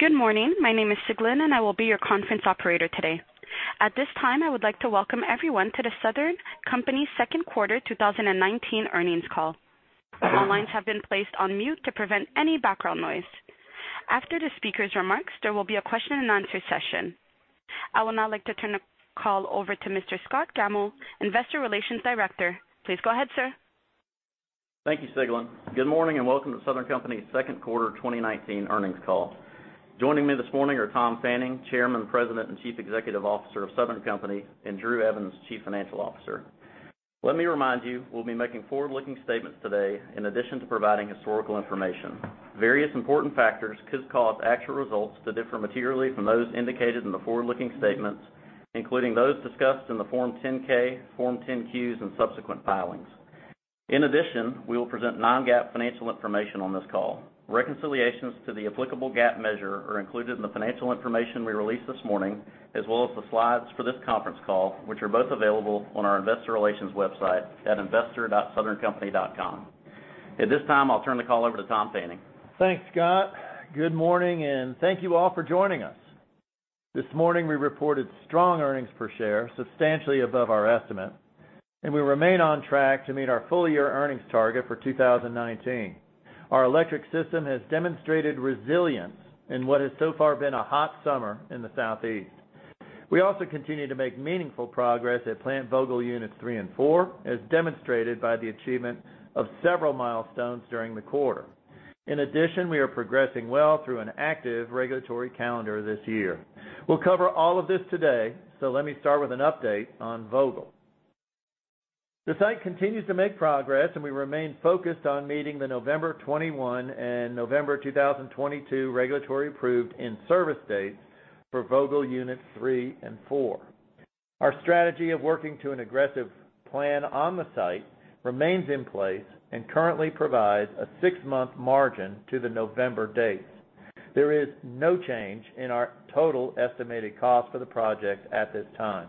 Good morning. My name is Siglin. I will be your conference operator today. At this time, I would like to welcome everyone to the Southern Company Second Quarter 2019 earnings call. All lines have been placed on mute to prevent any background noise. After the speaker's remarks, there will be a question and answer session. I would now like to turn the call over to Mr. Scott Gammill, investor relations director. Please go ahead, sir. Thank you, Siglin. Good morning, and welcome to Southern Company's second quarter 2019 earnings call. Joining me this morning are Tom Fanning, Chairman, President, and Chief Executive Officer of Southern Company, and Drew Evans, Chief Financial Officer. Let me remind you, we'll be making forward-looking statements today in addition to providing historical information. Various important factors could cause actual results to differ materially from those indicated in the forward-looking statements, including those discussed in the Form 10-K, Form 10-Qs, and subsequent filings. In addition, we will present non-GAAP financial information on this call. Reconciliations to the applicable GAAP measure are included in the financial information we released this morning, as well as the slides for this conference call, which are both available on our investor relations website at investor.southerncompany.com. At this time, I'll turn the call over to Tom Fanning. Thanks, Scott. Good morning, and thank you all for joining us. This morning, we reported strong earnings per share, substantially above our estimate, and we remain on track to meet our full-year earnings target for 2019. Our electric system has demonstrated resilience in what has so far been a hot summer in the Southeast. We also continue to make meaningful progress at Plant Vogtle units 3 and 4, as demonstrated by the achievement of several milestones during the quarter. In addition, we are progressing well through an active regulatory calendar this year. We'll cover all of this today, so let me start with an update on Vogtle. The site continues to make progress, and we remain focused on meeting the November 2021 and November 2022 regulatory approved in-service dates for Vogtle units 3 and 4. Our strategy of working to an aggressive plan on the site remains in place and currently provides a 6-month margin to the November dates. There is no change in our total estimated cost for the project at this time,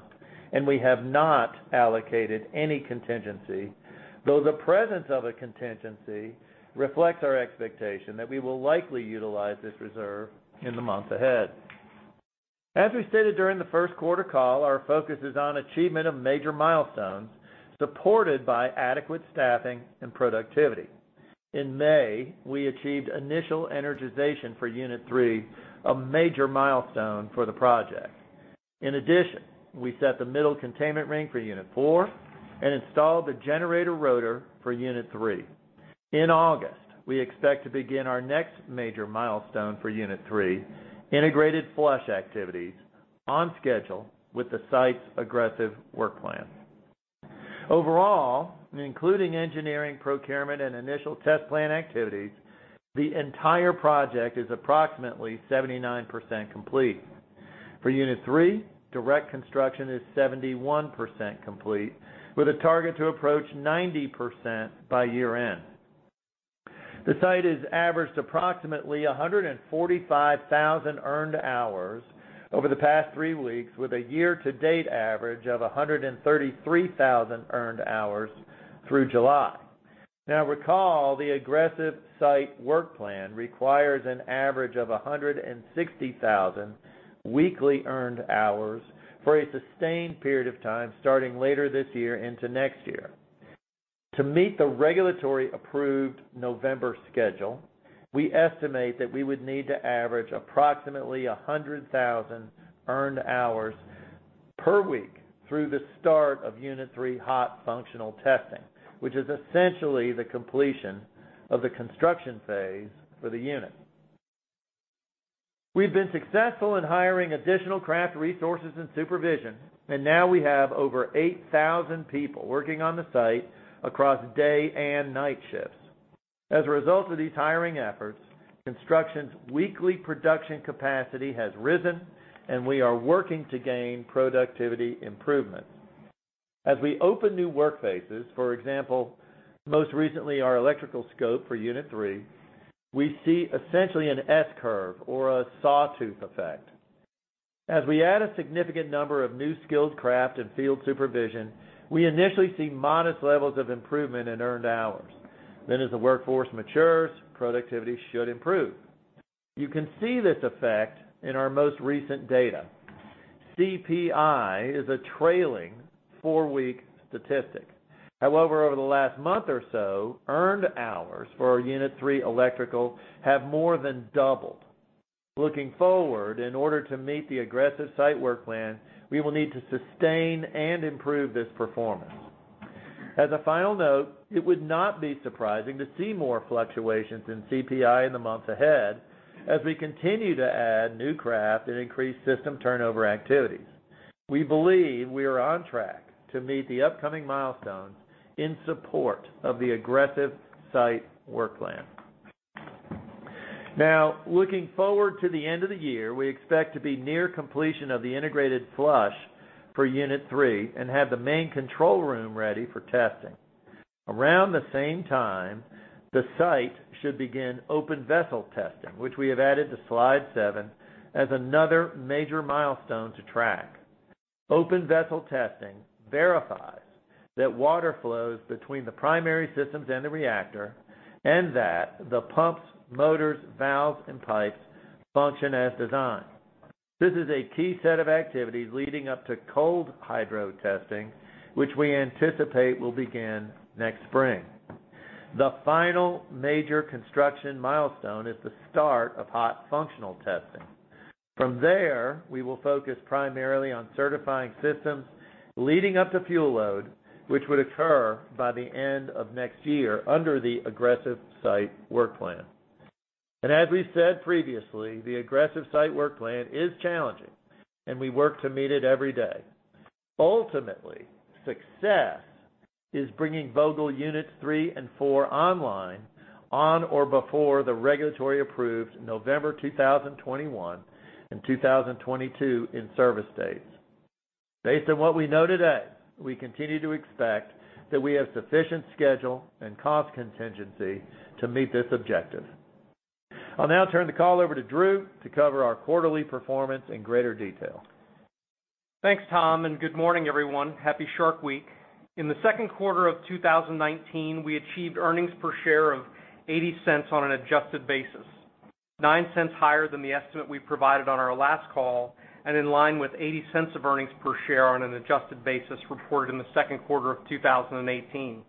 and we have not allocated any contingency, though the presence of a contingency reflects our expectation that we will likely utilize this reserve in the months ahead. As we stated during the first quarter call, our focus is on achievement of major milestones supported by adequate staffing and productivity. In May, we achieved initial energization for Unit 3, a major milestone for the project. In addition, we set the middle containment ring for Unit 4 and installed the generator rotor for Unit 3. In August, we expect to begin our next major milestone for Unit 3, integrated flush activities, on schedule with the site's aggressive work plans. Overall, including engineering, procurement, and initial test plan activities, the entire project is approximately 79% complete. For Unit 3, direct construction is 71% complete with a target to approach 90% by year-end. The site has averaged approximately 145,000 earned hours over the past three weeks, with a year-to-date average of 133,000 earned hours through July. Recall, the aggressive site work plan requires an average of 160,000 weekly earned hours for a sustained period of time starting later this year into next year. To meet the regulatory approved November schedule, we estimate that we would need to average approximately 100,000 earned hours per week through the start of Unit 3 hot functional testing, which is essentially the completion of the construction phase for the unit. We've been successful in hiring additional craft resources and supervision. Now we have over 8,000 people working on the site across day and night shifts. As a result of these hiring efforts, construction's weekly production capacity has risen. We are working to gain productivity improvements. As we open new work phases, for example, most recently our electrical scope for unit 3, we see essentially an S-curve or a sawtooth effect. As we add a significant number of new skilled craft and field supervision, we initially see modest levels of improvement in earned hours. As the workforce matures, productivity should improve. You can see this effect in our most recent data. CPI is a trailing four-week statistic. However, over the last month or so, earned hours for our unit 3 electrical have more than doubled. Looking forward, in order to meet the aggressive site work plan, we will need to sustain and improve this performance. As a final note, it would not be surprising to see more fluctuations in CPI in the months ahead as we continue to add new craft and increase system turnover activities. We believe we are on track to meet the upcoming milestones in support of the aggressive site work plan. Looking forward to the end of the year, we expect to be near completion of the integrated flush for unit 3 and have the main control room ready for testing. Around the same time, the site should begin open vessel testing, which we have added to slide seven as another major milestone to track. Open vessel testing verifies that water flows between the primary systems and the reactor, and that the pumps, motors, valves, and pipes function as designed. This is a key set of activities leading up to cold hydro testing, which we anticipate will begin next spring. The final major construction milestone is the start of hot functional testing. From there, we will focus primarily on certifying systems leading up to fuel load, which would occur by the end of next year under the aggressive site work plan. As we said previously, the aggressive site work plan is challenging, and we work to meet it every day. Ultimately, success is bringing Vogtle Units 3 and 4 online on or before the regulatory-approved November 2021 and 2022 in-service dates. Based on what we know today, we continue to expect that we have sufficient schedule and cost contingency to meet this objective. I'll now turn the call over to Drew to cover our quarterly performance in greater detail. Thanks, Tom. Good morning, everyone. Happy Shark Week. In the second quarter of 2019, we achieved earnings per share of $0.80 on an adjusted basis, $0.09 higher than the estimate we provided on our last call, and in line with $0.80 of earnings per share on an adjusted basis reported in the second quarter of 2018.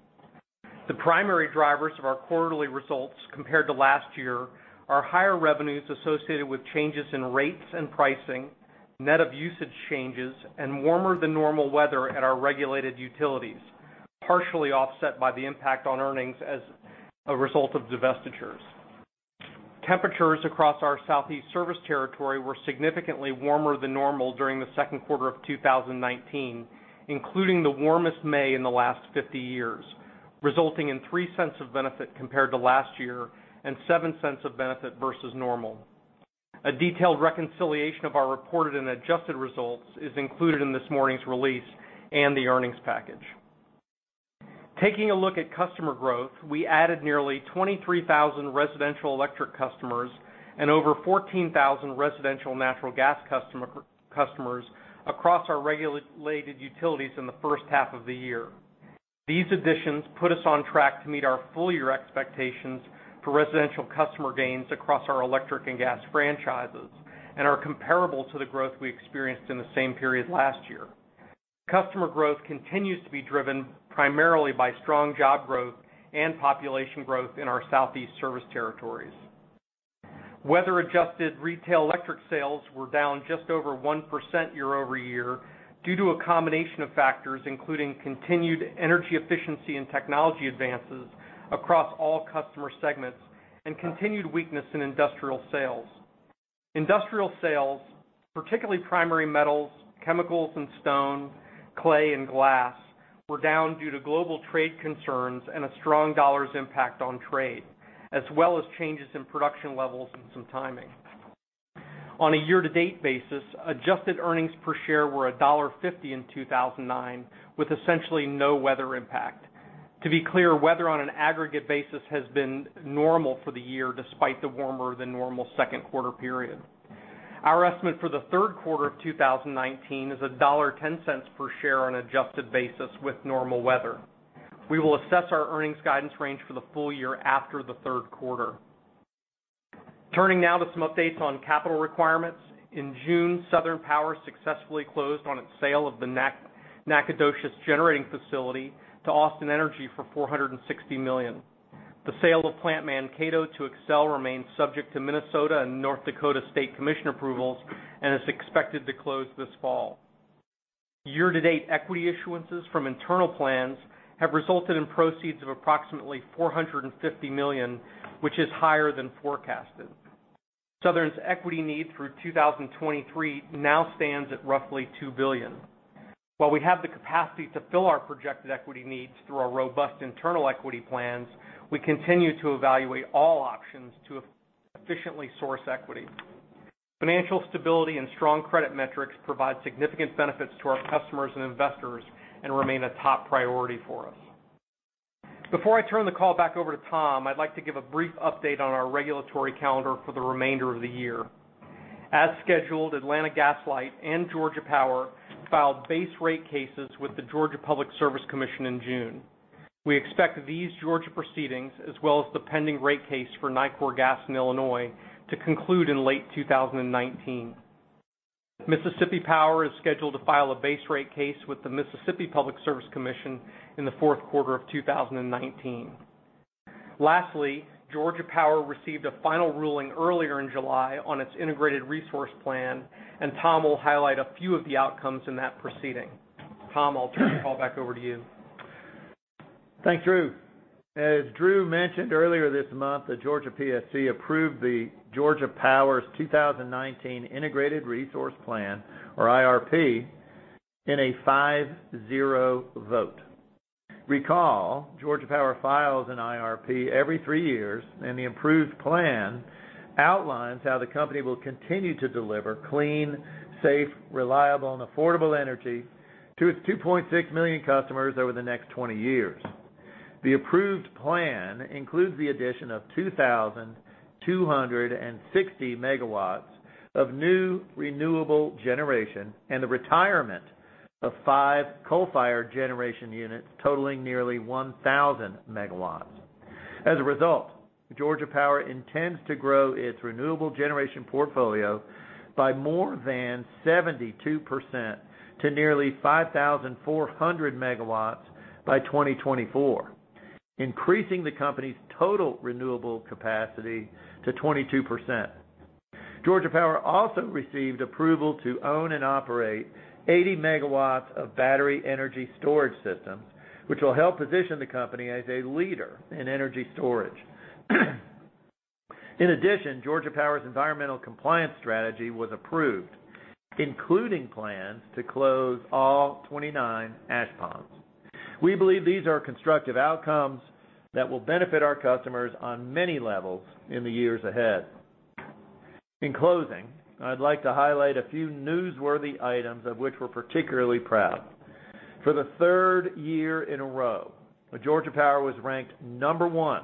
The primary drivers of our quarterly results compared to last year are higher revenues associated with changes in rates and pricing, net of usage changes, and warmer than normal weather at our regulated utilities, partially offset by the impact on earnings as a result of divestitures. Temperatures across our Southeast service territory were significantly warmer than normal during the second quarter of 2019, including the warmest May in the last 50 years, resulting in $0.03 of benefit compared to last year, and $0.07 of benefit versus normal. A detailed reconciliation of our reported and adjusted results is included in this morning's release and the earnings package. Taking a look at customer growth, we added nearly 23,000 residential electric customers and over 14,000 residential natural gas customers across our regulated utilities in the first half of the year. These additions put us on track to meet our full-year expectations for residential customer gains across our electric and gas franchises and are comparable to the growth we experienced in the same period last year. Customer growth continues to be driven primarily by strong job growth and population growth in our Southeast service territories. Weather-adjusted retail electric sales were down just over 1% year-over-year due to a combination of factors, including continued energy efficiency and technology advances across all customer segments and continued weakness in industrial sales. Industrial sales, particularly primary metals, chemicals and stone, clay and glass, were down due to global trade concerns and a strong dollar's impact on trade, as well as changes in production levels and some timing. On a year-to-date basis, adjusted earnings per share were $1.50 in 2009, with essentially no weather impact. To be clear, weather on an aggregate basis has been normal for the year despite the warmer-than-normal second quarter period. Our estimate for the third quarter of 2019 is $1.10 per share on an adjusted basis with normal weather. We will assess our earnings guidance range for the full year after the third quarter. Turning now to some updates on capital requirements. In June, Southern Power successfully closed on its sale of the Nacogdoches generating facility to Austin Energy for $460 million. The sale of Plant Mankato to Xcel remains subject to Minnesota and North Dakota State Commission approvals and is expected to close this fall. Year-to-date equity issuances from internal plans have resulted in proceeds of approximately $450 million, which is higher than forecasted. Southern's equity needs through 2023 now stands at roughly $2 billion. While we have the capacity to fill our projected equity needs through our robust internal equity plans, we continue to evaluate all options to efficiently source equity. Financial stability and strong credit metrics provide significant benefits to our customers and investors and remain a top priority for us. Before I turn the call back over to Tom, I'd like to give a brief update on our regulatory calendar for the remainder of the year. As scheduled, Atlanta Gas Light and Georgia Power filed base rate cases with the Georgia Public Service Commission in June. We expect these Georgia proceedings, as well as the pending rate case for Nicor Gas in Illinois, to conclude in late 2019. Mississippi Power is scheduled to file a base rate case with the Mississippi Public Service Commission in the fourth quarter of 2019. Lastly, Georgia Power received a final ruling earlier in July on its Integrated Resource Plan, and Tom will highlight a few of the outcomes in that proceeding. Tom, I'll turn the call back over to you. Thanks, Drew. As Drew mentioned earlier this month, the Georgia PSC approved the Georgia Power's 2019 Integrated Resource Plan, or IRP, in a 5-0 vote. Recall, Georgia Power files an IRP every three years, and the approved plan outlines how the company will continue to deliver clean, safe, reliable, and affordable energy to its 2.6 million customers over the next 20 years. The approved plan includes the addition of 2,260 megawatts of new renewable generation and the retirement of five coal-fired generation units totaling nearly 1,000 megawatts. As a result, Georgia Power intends to grow its renewable generation portfolio by more than 72% to nearly 5,400 megawatts by 2024, increasing the company's total renewable capacity to 22%. Georgia Power also received approval to own and operate 80 megawatts of battery energy storage systems, which will help position the company as a leader in energy storage. In addition, Georgia Power's environmental compliance strategy was approved, including plans to close all 29 ash ponds. We believe these are constructive outcomes that will benefit our customers on many levels in the years ahead. In closing, I'd like to highlight a few newsworthy items of which we're particularly proud. For the third year in a row, Georgia Power was ranked number one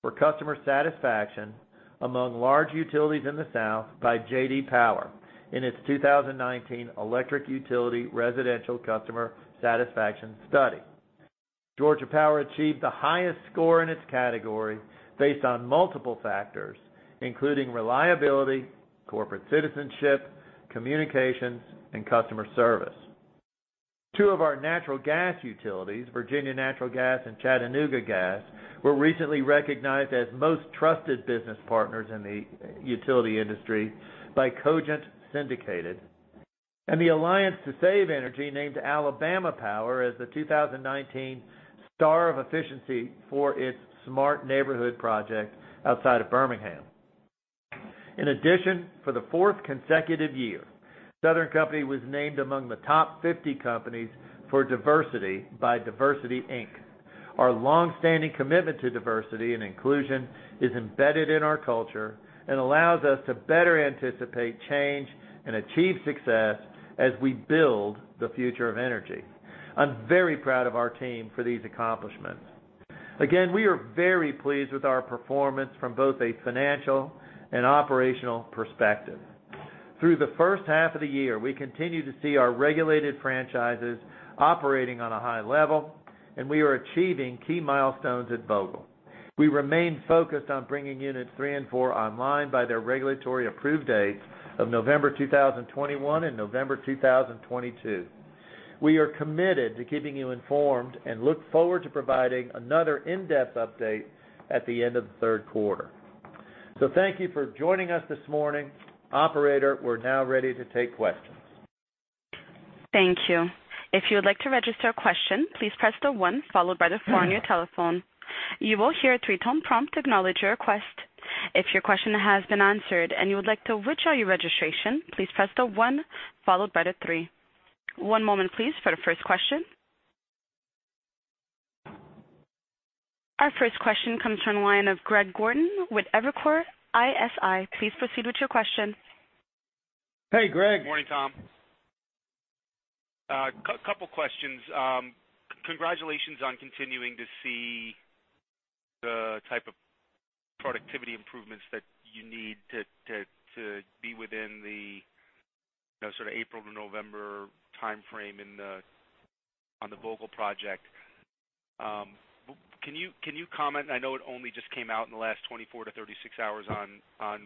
for customer satisfaction among large utilities in the South by J.D. Power in its 2019 Electric Utility Residential Customer Satisfaction Study. Georgia Power achieved the highest score in its category based on multiple factors, including reliability, corporate citizenship, communications, and customer service. Two of our natural gas utilities, Virginia Natural Gas and Chattanooga Gas, were recently recognized as most trusted business partners in the utility industry by Cogent Syndicated. The Alliance to Save Energy named Alabama Power as the 2019 Star of Efficiency for its smart neighborhood project outside of Birmingham. In addition, for the fourth consecutive year, Southern Company was named among the Top 50 Companies for Diversity by DiversityInc. Our longstanding commitment to diversity and inclusion is embedded in our culture and allows us to better anticipate change and achieve success as we build the future of energy. I'm very proud of our team for these accomplishments. Again, we are very pleased with our performance from both a financial and operational perspective. Through the first half of the year, we continue to see our regulated franchises operating on a high level, and we are achieving key milestones at Vogtle. We remain focused on bringing units three and four online by their regulatory approved dates of November 2021 and November 2022. We are committed to keeping you informed and look forward to providing another in-depth update at the end of the third quarter. Thank you for joining us this morning. Operator, we're now ready to take questions. Thank you. If you would like to register a question, please press the one followed by the four on your telephone. You will hear a three-tone prompt acknowledge your request. If your question has been answered and you would like to withdraw your registration, please press the one followed by the three. One moment please for the first question. Our first question comes from the line of Greg Gordon with Evercore ISI. Please proceed with your question. Hey, Greg. Morning, Tom. A couple questions. Congratulations on continuing to see the type of productivity improvements that you need to be within the sort of April to November timeframe on the Vogtle project. Can you comment, I know it only just came out in the last 24-36 hours, on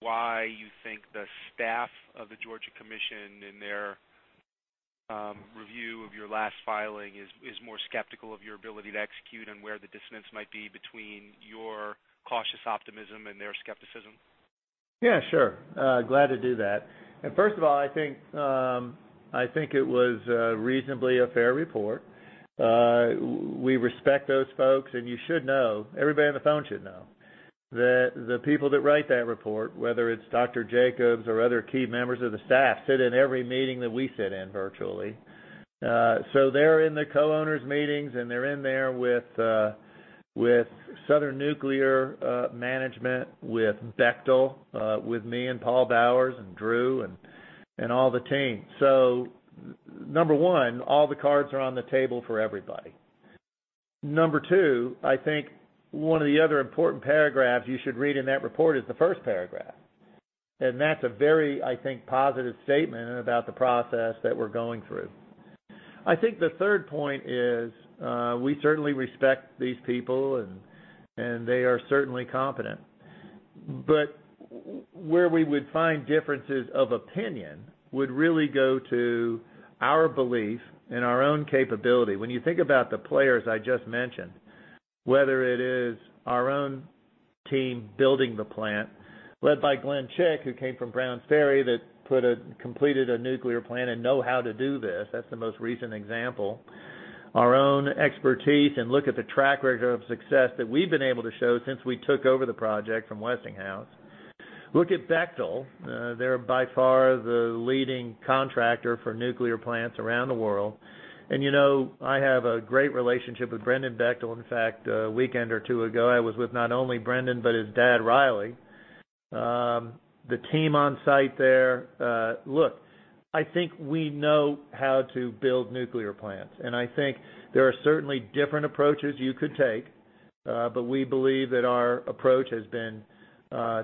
why you think the staff of the Georgia Commission in their review of your last filing is more skeptical of your ability to execute and where the dissonance might be between your cautious optimism and their skepticism? Yeah, sure. Glad to do that. First of all, I think it was reasonably a fair report. We respect those folks, and you should know, everybody on the phone should know, that the people that write that report, whether it's Dr. Jacobs or other key members of the staff, sit in every meeting that we sit in virtually. They're in the co-owners meetings, and they're in there with Southern Nuclear management, with Bechtel, with me and Paul Bowers and Drew and all the team. Number one, all the cards are on the table for everybody. Number two, I think one of the other important paragraphs you should read in that report is the first paragraph. That's a very, I think, positive statement about the process that we're going through. I think the third point is, we certainly respect these people, and they are certainly competent. Where we would find differences of opinion would really go to our belief in our own capability. When you think about the players I just mentioned, whether it is our own team building the plant, led by Glen Chick, who came from Browns Ferry, that completed a nuclear plant and know how to do this. That's the most recent example. Our own expertise, look at the track record of success that we've been able to show since we took over the project from Westinghouse. Look at Bechtel. They're by far the leading contractor for nuclear plants around the world. I have a great relationship with Brendan Bechtel. In fact, a weekend or two ago, I was with not only Brendan, but his dad, Riley. The team on site there. Look, I think we know how to build nuclear plants. I think there are certainly different approaches you could take, but we believe that our approach has been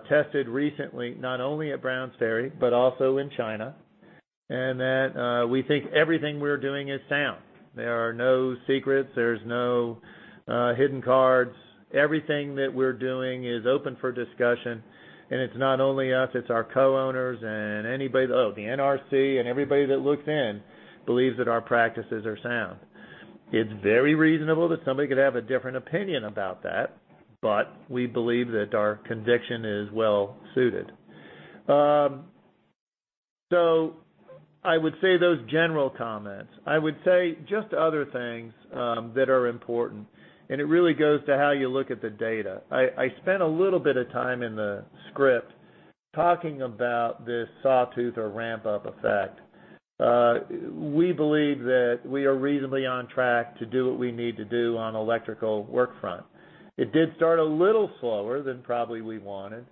tested recently, not only at Browns Ferry, but also in China, and that we think everything we're doing is sound. There are no secrets, there's no hidden cards. Everything that we're doing is open for discussion. It's not only us, it's our co-owners and anybody. The NRC and everybody that looks in believes that our practices are sound. It's very reasonable that somebody could have a different opinion about that, but we believe that our conviction is well suited. I would say those general comments. I would say just other things that are important, and it really goes to how you look at the data. I spent a little bit of time in the script talking about this sawtooth or ramp-up effect. We believe that we are reasonably on track to do what we need to do on electrical work front. It did start a little slower than probably we wanted,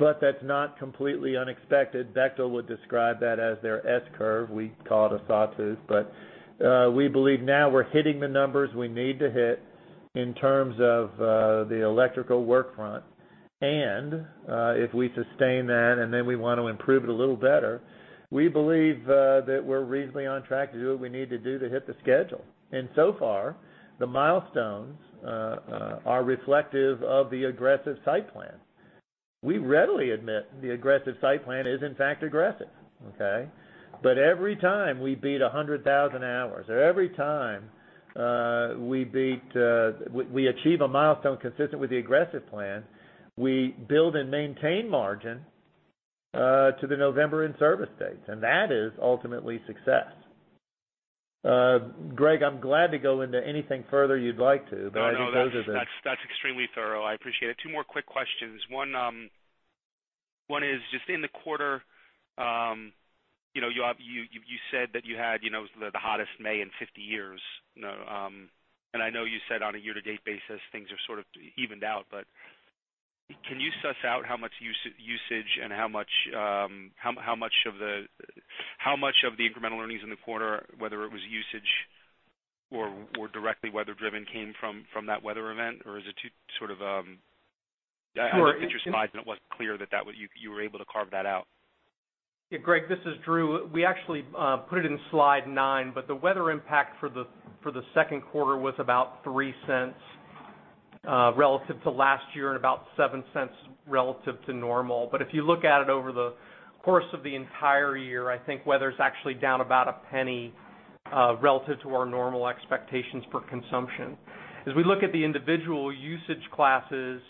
that's not completely unexpected. Bechtel would describe that as their S-curve. We call it a sawtooth. We believe now we're hitting the numbers we need to hit in terms of the electrical work front. If we sustain that and then we want to improve it a little better, we believe that we're reasonably on track to do what we need to do to hit the schedule. So far, the milestones are reflective of the aggressive site plan. We readily admit the aggressive site plan is in fact aggressive. Every time we beat 100,000 hours, or every time we achieve a milestone consistent with the aggressive plan, we build and maintain margin to the November in-service dates. That is ultimately success. Greg, I'm glad to go into anything further you'd like to, but I think those are the. No, that's extremely thorough. I appreciate it. two more quick questions. One is just in the quarter, you said that you had the hottest May in 50 years. I know you said on a year-to-date basis, things have sort of evened out. Can you suss out how much usage and how much of the incremental earnings in the quarter, whether it was usage or directly weather-driven came from that weather event? Is it too sort of? Sure at your slides, and it wasn't clear that you were able to carve that out. Greg, this is Drew. We actually put it in slide nine, the weather impact for the second quarter was about $0.03 relative to last year and about $0.07 relative to normal. If you look at it over the course of the entire year, I think weather's actually down about $0.01 relative to our normal expectations for consumption. As we look at the individual usage classes,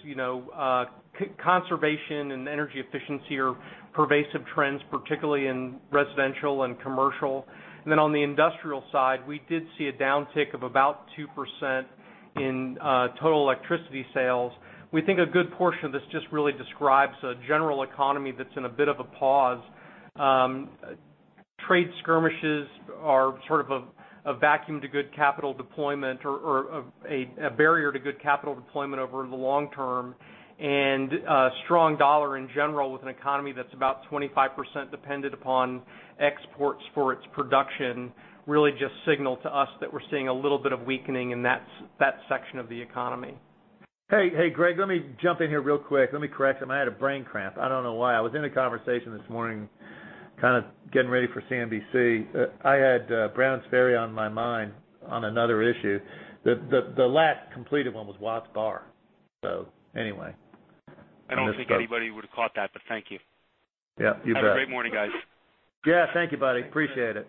conservation and energy efficiency are pervasive trends, particularly in residential and commercial. On the industrial side, we did see a downtick of about 2% in total electricity sales. We think a good portion of this just really describes a general economy that's in a bit of a pause. Trade skirmishes are sort of a vacuum to good capital deployment or a barrier to good capital deployment over the long term. A strong dollar in general with an economy that's about 25% dependent upon exports for its production, really just signal to us that we're seeing a little bit of weakening in that section of the economy. Hey, Greg, let me jump in here real quick. Let me correct them. I had a brain cramp. I don't know why. I was in a conversation this morning, kind of getting ready for CNBC. I had Browns Ferry on my mind on another issue. The last completed one was Watts Bar. I don't think anybody would have caught that, but thank you. Yeah, you bet. Have a great morning, guys. Yeah, thank you, buddy. Appreciate it.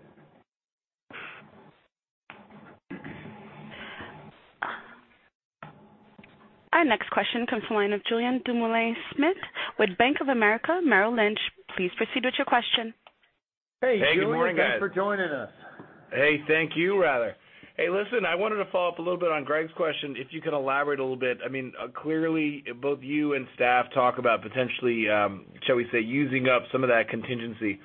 Our next question comes from the line of Julien Dumoulin-Smith with Bank of America Merrill Lynch. Please proceed with your question. Hey, Julien. Hey, good morning, guys. Thanks for joining us. Hey, thank you, rather. Hey, listen, I wanted to follow up a little bit on Greg's question, if you could elaborate a little bit. Clearly, both you and staff talk about potentially, shall we say, using up some of that contingency.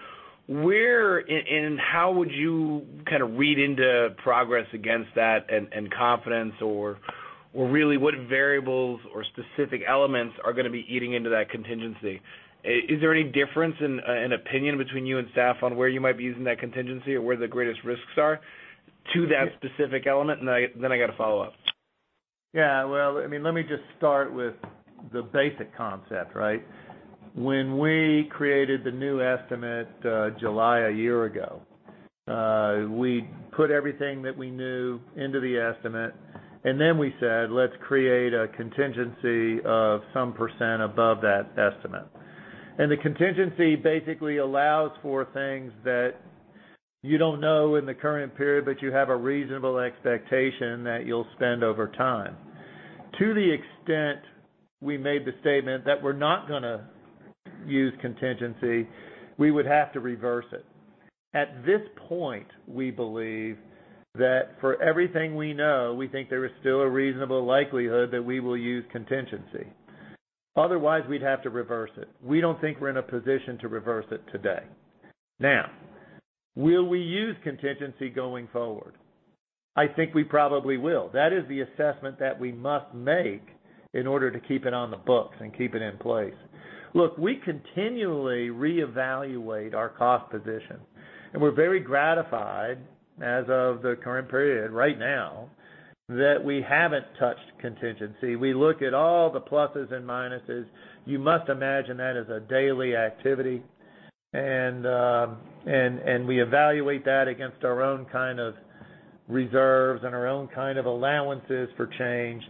Where and how would you kind of read into progress against that and confidence, or really what variables or specific elements are going to be eating into that contingency? Is there any difference in opinion between you and staff on where you might be using that contingency or where the greatest risks are to that specific element? I got a follow-up. Yeah. Well, let me just start with the basic concept, right? When we created the new estimate July a year ago, we put everything that we knew into the estimate, and then we said, "Let's create a contingency of some % above that estimate." The contingency basically allows for things that you don't know in the current period, but you have a reasonable expectation that you'll spend over time. To the extent we made the statement that we're not going to use contingency, we would have to reverse it. At this point, we believe that for everything we know, we think there is still a reasonable likelihood that we will use contingency. Otherwise, we'd have to reverse it. We don't think we're in a position to reverse it today. Will we use contingency going forward? I think we probably will. That is the assessment that we must make in order to keep it on the books and keep it in place. Look, we continually reevaluate our cost position, and we're very gratified as of the current period right now that we haven't touched contingency. We look at all the pluses and minuses. You must imagine that as a daily activity. We evaluate that against our own kind of reserves and our own kind of allowances for change.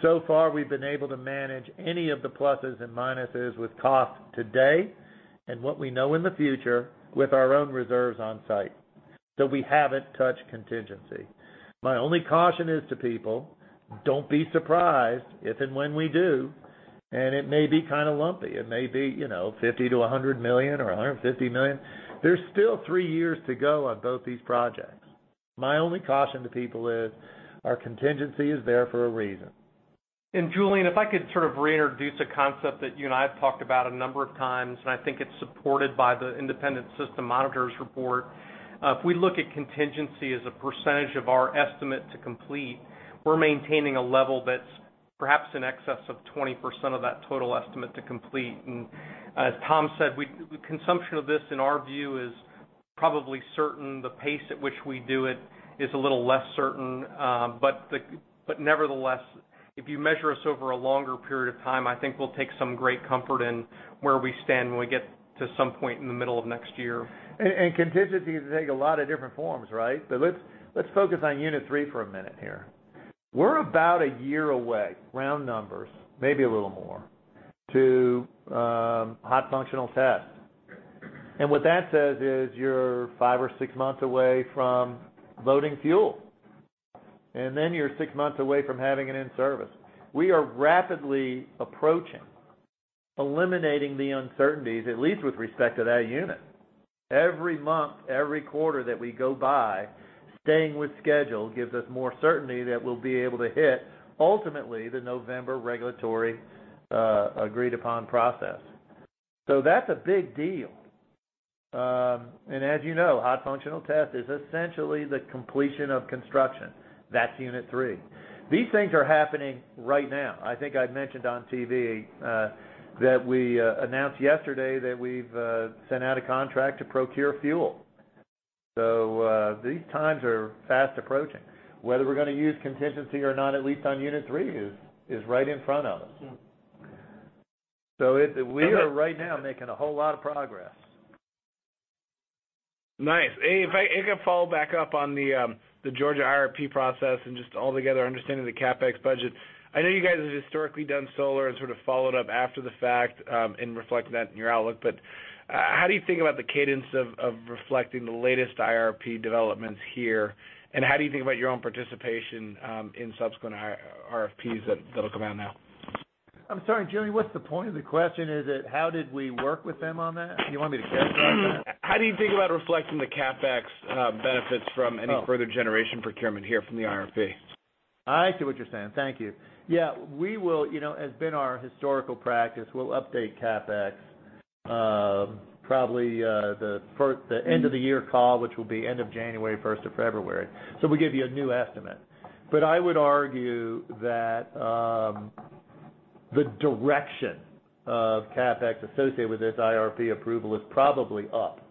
So far, we've been able to manage any of the pluses and minuses with cost today and what we know in the future with our own reserves on site. We haven't touched contingency. My only caution is to people, don't be surprised if and when we do, and it may be kind of lumpy. It may be $50 million-$100 million or $150 million. There's still three years to go on both these projects. My only caution to people is our contingency is there for a reason. Julien, if I could sort of reintroduce a concept that you and I have talked about a number of times, and I think it's supported by the independent system monitors report. If we look at contingency as a percentage of our estimate to complete, we're maintaining a level that's perhaps in excess of 20% of that total estimate to complete. As Tom said, consumption of this in our view is probably certain. The pace at which we do it is a little less certain. Nevertheless, if you measure us over a longer period of time, I think we'll take some great comfort in where we stand when we get to some point in the middle of next year. Contingency can take a lot of different forms, right? Let's focus on unit 3 for a minute here. We're about a year away, round numbers, maybe a little more, to hot functional test. What that says is you're five or six months away from loading fuel, and then you're six months away from having it in service. We are rapidly approaching eliminating the uncertainties, at least with respect to that unit. Every month, every quarter that we go by, staying with schedule gives us more certainty that we'll be able to hit ultimately the November regulatory agreed-upon process. That's a big deal. As you know, hot functional test is essentially the completion of construction. That's unit 3. These things are happening right now. I think I mentioned on TV that we announced yesterday that we've sent out a contract to procure fuel. These times are fast approaching. Whether we're going to use contingency or not, at least on Unit 3, is right in front of us. Yeah. We are right now making a whole lot of progress. Nice. If I could follow back up on the Georgia IRP process and just altogether understanding the CapEx budget. I know you guys have historically done solar and sort of followed up after the fact and reflect that in your outlook. How do you think about the cadence of reflecting the latest IRP developments here, and how do you think about your own participation in subsequent RFPs that'll come out now? I'm sorry, Julien, what's the point of the question? Is it how did we work with them on that? Do you want me to characterize that? How do you think about reflecting the CapEx benefits from any further generation procurement here from the IRP? I see what you're saying. Thank you. Yeah, as been our historical practice, we'll update CapEx probably the end of the year call, which will be end of January, 1st of February. We'll give you a new estimate. I would argue that the direction of CapEx associated with this IRP approval is probably up.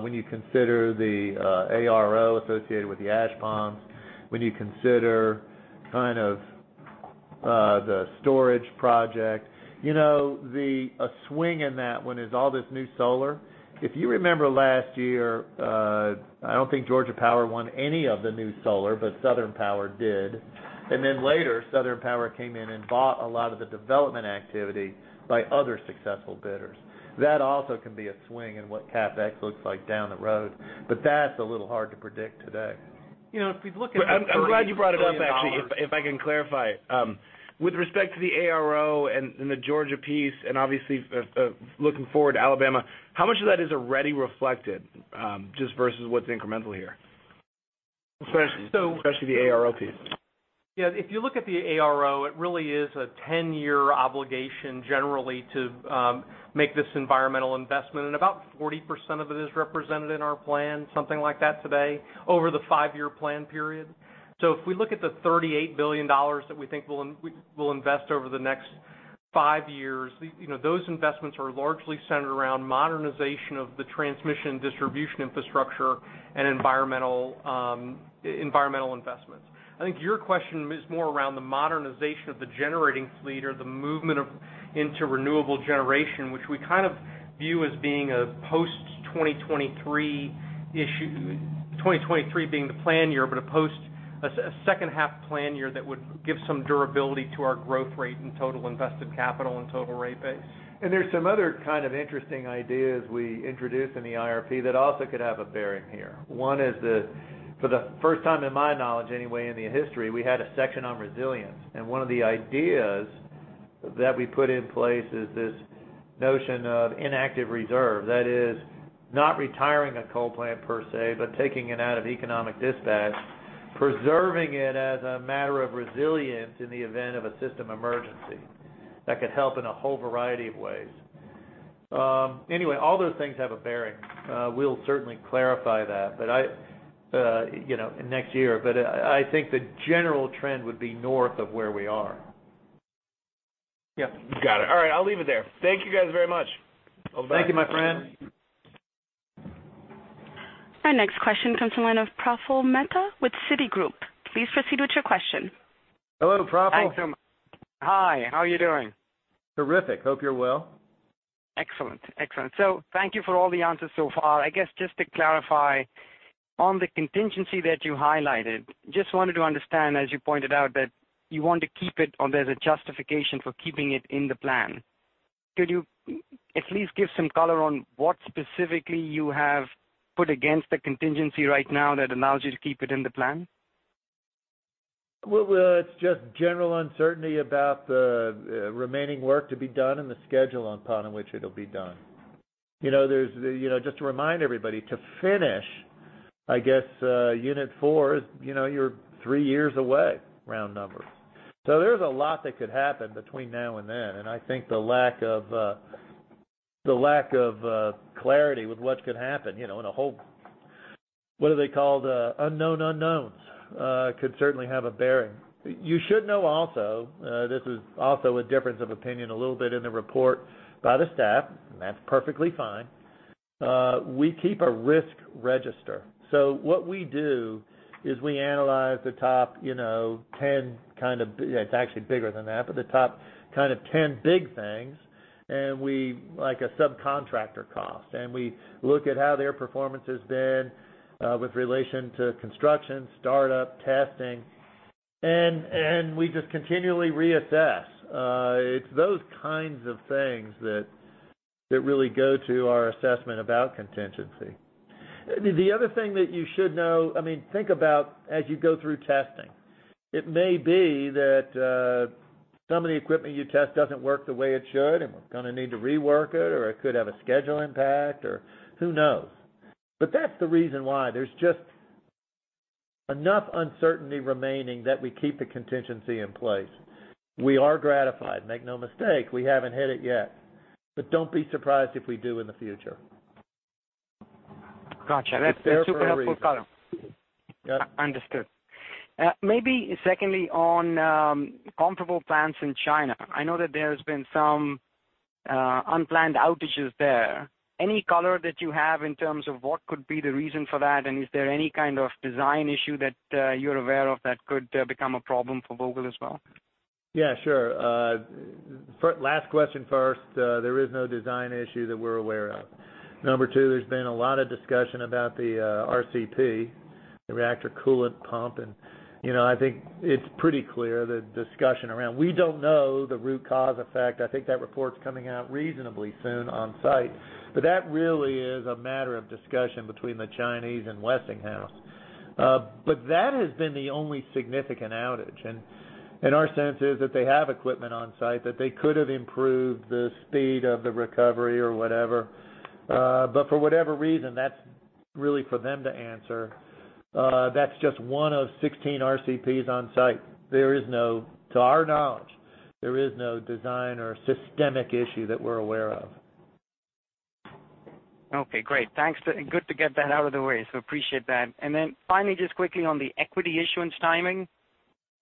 When you consider the ARO associated with the ash ponds, when you consider kind of the storage project. A swing in that one is all this new solar. If you remember last year, I don't think Georgia Power won any of the new solar, but Southern Power did. Later, Southern Power came in and bought a lot of the development activity by other successful bidders. That also can be a swing in what CapEx looks like down the road, but that's a little hard to predict today. If we look at the- I'm glad you brought it up, actually. If I can clarify. With respect to the ARO and the Georgia piece and obviously looking forward to Alabama, how much of that is already reflected just versus what's incremental here? Especially the ARO piece. If you look at the ARO, it really is a 10-year obligation generally to make this environmental investment, and about 40% of it is represented in our plan, something like that today, over the 5-year plan period. If we look at the $38 billion that we think we'll invest over the next 5 years, those investments are largely centered around modernization of the transmission distribution infrastructure and environmental investments. I think your question is more around the modernization of the generating fleet or the movement into renewable generation, which we kind of view as being a post-2023 issue, 2023 being the plan year, but a second half plan year that would give some durability to our growth rate and total invested capital and total rate base. There's some other kind of interesting ideas we introduced in the IRP that also could have a bearing here. One is for the first time, in my knowledge anyway, in the history, we had a section on resilience, and one of the ideas that we put in place is this notion of inactive reserve. That is not retiring a coal plant per se, but taking it out of economic dispatch, preserving it as a matter of resilience in the event of a system emergency. That could help in a whole variety of ways. All those things have a bearing. We'll certainly clarify that in next year. I think the general trend would be north of where we are. Yeah. Got it. All right, I'll leave it there. Thank you guys very much. Thank you, my friend. Our next question comes from the line of Praful Mehta with Citigroup. Please proceed with your question. Hello, Praful. Thanks so much. Hi, how are you doing? Terrific. Hope you're well. Excellent. Thank you for all the answers so far. I guess just to clarify, on the contingency that you highlighted, just wanted to understand, as you pointed out, that you want to keep it or there's a justification for keeping it in the plan. Could you at least give some color on what specifically you have put against the contingency right now that allows you to keep it in the plan? Well, it's just general uncertainty about the remaining work to be done and the schedule upon which it'll be done. Just to remind everybody, to finish, I guess Unit 4, you're three years away, round number. There's a lot that could happen between now and then, and I think the lack of clarity with what could happen in a whole, what are they called? Unknown unknowns could certainly have a bearing. You should know also, this is also a difference of opinion a little bit in the report by the staff, and that's perfectly fine. We keep a risk register. What we do is we analyze the top 10 kind of, it's actually bigger than that, but the top kind of 10 big things, like a subcontractor cost. We look at how their performance has been with relation to construction, startup, testing, and we just continually reassess. It's those kinds of things that really go to our assessment about contingency. The other thing that you should know, think about as you go through testing. It may be that some of the equipment you test doesn't work the way it should, and we're going to need to rework it, or it could have a schedule impact, or who knows? That's the reason why there's just enough uncertainty remaining that we keep the contingency in place. We are gratified. Make no mistake. We haven't hit it yet. Don't be surprised if we do in the future. Got you. That's super helpful color. Yep. Understood. Maybe secondly, on comparable plants in China. I know that there's been some unplanned outages there. Any color that you have in terms of what could be the reason for that, and is there any kind of design issue that you're aware of that could become a problem for Vogtle as well? Yeah, sure. Last question first. There is no design issue that we're aware of. Number 2, there's been a lot of discussion about the RCP, the reactor coolant pump, and I think it's pretty clear the discussion around. We don't know the root cause effect. I think that report's coming out reasonably soon on site. That really is a matter of discussion between the Chinese and Westinghouse. That has been the only significant outage, and our sense is that they have equipment on site that they could have improved the speed of the recovery or whatever. For whatever reason, that's really for them to answer. That's just one of 16 RCPs on site. To our knowledge, there is no design or systemic issue that we're aware of. Okay, great. Thanks. Good to get that out of the way. Appreciate that. Finally, just quickly on the equity issuance timing.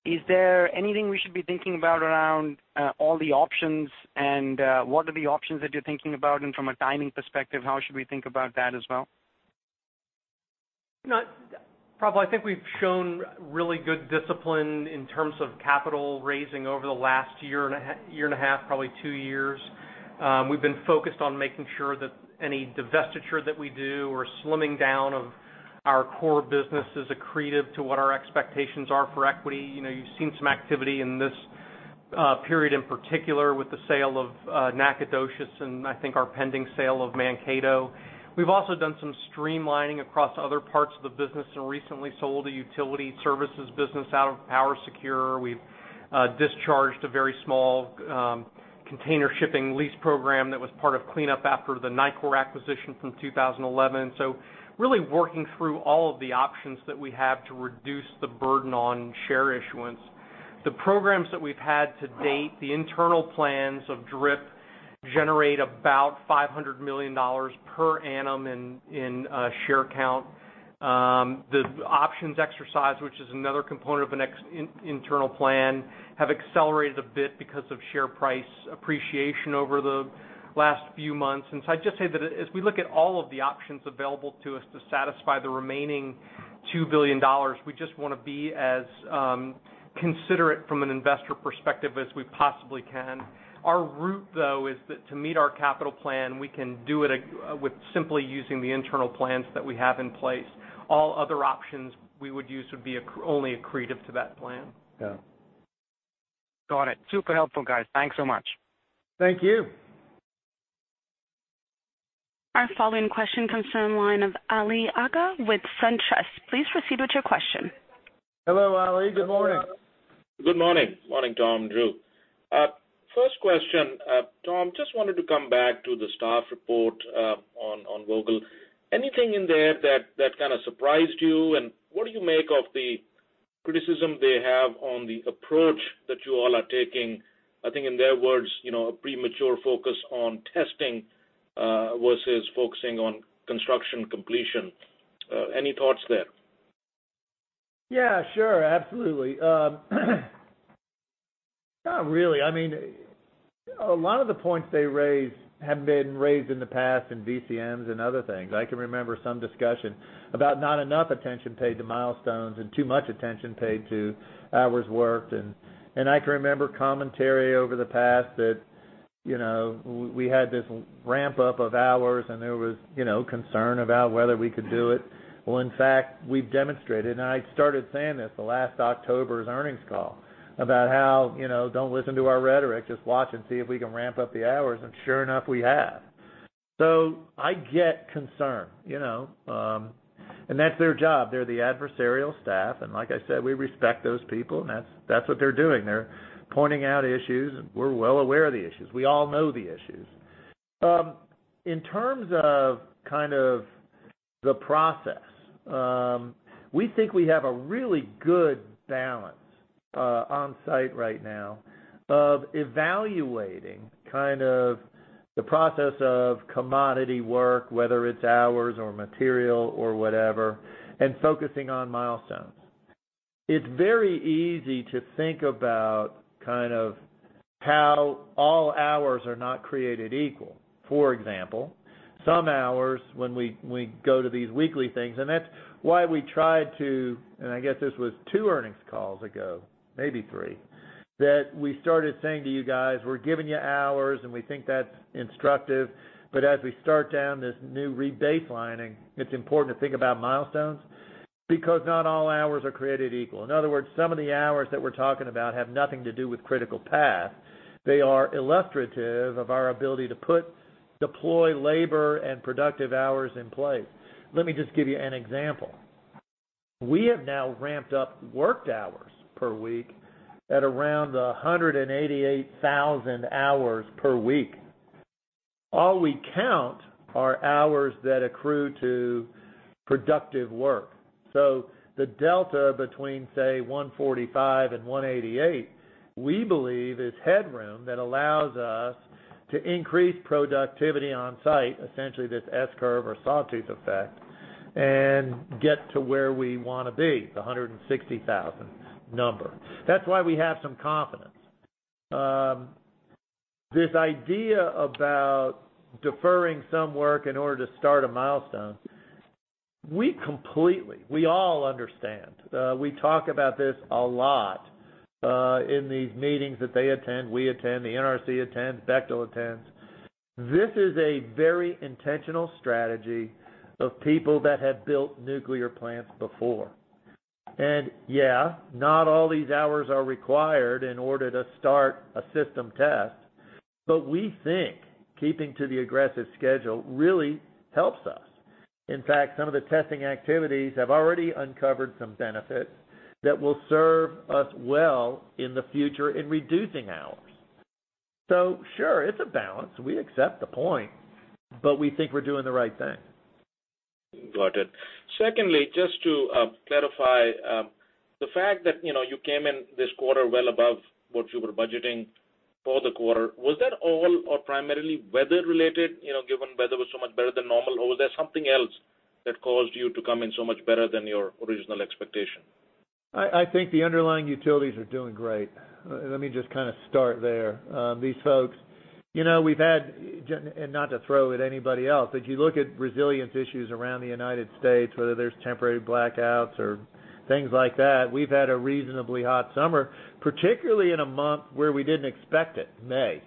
Is there anything we should be thinking about around all the options, and what are the options that you're thinking about? From a timing perspective, how should we think about that as well? Praful, I think we've shown really good discipline in terms of capital raising over the last year and a half, probably two years. We've been focused on making sure that any divestiture that we do or slimming down of our core business is accretive to what our expectations are for equity. You've seen some activity in this period, in particular with the sale of Nacogdoches and I think our pending sale of Mankato. We've also done some streamlining across other parts of the business and recently sold a utility services business out of PowerSecure. We've discharged a very small container shipping lease program that was part of cleanup after the Nicor acquisition from 2011. Really working through all of the options that we have to reduce the burden on share issuance. The programs that we've had to date, the internal plans of DRIP generate about $500 million per annum in share count. The options exercise, which is another component of an internal plan, have accelerated a bit because of share price appreciation over the last few months. I'd just say that as we look at all of the options available to us to satisfy the remaining $2 billion, we just want to be as considerate from an investor perspective as we possibly can. Our route, though, is that to meet our capital plan, we can do it with simply using the internal plans that we have in place. All other options we would use would be only accretive to that plan. Yeah. Got it. Super helpful, guys. Thanks so much. Thank you. Our following question comes from the line of Ali Agha with SunTrust. Please proceed with your question. Hello, Ali. Good morning. Good morning. Morning, Tom and Drew. First question. Tom, just wanted to come back to the staff report on Vogtle. Anything in there that kind of surprised you, and what do you make of the criticism they have on the approach that you all are taking, I think in their words, a premature focus on testing, versus focusing on construction completion. Any thoughts there? Yeah, sure. Absolutely. Not really. A lot of the points they raised have been raised in the past in VCMs and other things. I can remember some discussion about not enough attention paid to milestones and too much attention paid to hours worked. I can remember commentary over the past that we had this ramp up of hours and there was concern about whether we could do it. Well, in fact, we've demonstrated, and I started saying this the last October's earnings call, about how, don't listen to our rhetoric, just watch and see if we can ramp up the hours, and sure enough, we have. I get concerned. That's their job. They're the adversarial staff, and like I said, we respect those people, and that's what they're doing. They're pointing out issues. We're well aware of the issues. We all know the issues. In terms of the process, we think we have a really good balance on-site right now of evaluating the process of commodity work, whether it's hours or material or whatever, and focusing on milestones. It's very easy to think about how all hours are not created equal. For example, some hours when we go to these weekly things, and that's why we tried to, and I guess this was two earnings calls ago, maybe three, that we started saying to you guys, "We're giving you hours, and we think that's instructive, but as we start down this new rebaselining, it's important to think about milestones because not all hours are created equal." In other words, some of the hours that we're talking about have nothing to do with critical path. They are illustrative of our ability to put deployed labor and productive hours in place. Let me just give you an example. We have now ramped up worked hours per week at around 188,000 hours per week. All we count are hours that accrue to productive work. The delta between, say, 145 and 188, we believe is headroom that allows us to increase productivity on site, essentially this S-curve or sawtooth effect, and get to where we want to be, the 160,000 number. That's why we have some confidence. This idea about deferring some work in order to start a milestone, we all understand. We talk about this a lot, in these meetings that they attend, we attend, the NRC attends, Bechtel attends. This is a very intentional strategy of people that have built nuclear plants before. Yeah, not all these hours are required in order to start a system test. We think keeping to the aggressive schedule really helps us. In fact, some of the testing activities have already uncovered some benefits that will serve us well in the future in reducing hours. Sure, it's a balance. We accept the point, but we think we're doing the right thing. Got it. Secondly, just to clarify, the fact that you came in this quarter well above what you were budgeting for the quarter, was that all or primarily weather related, given weather was so much better than normal? Or was there something else that caused you to come in so much better than your original expectation? I think the underlying utilities are doing great. Let me just start there. These folks, we've had and not to throw at anybody else, but you look at resilience issues around the U.S., whether there's temporary blackouts or things like that, we've had a reasonably hot summer, particularly in a month where we didn't expect it, May.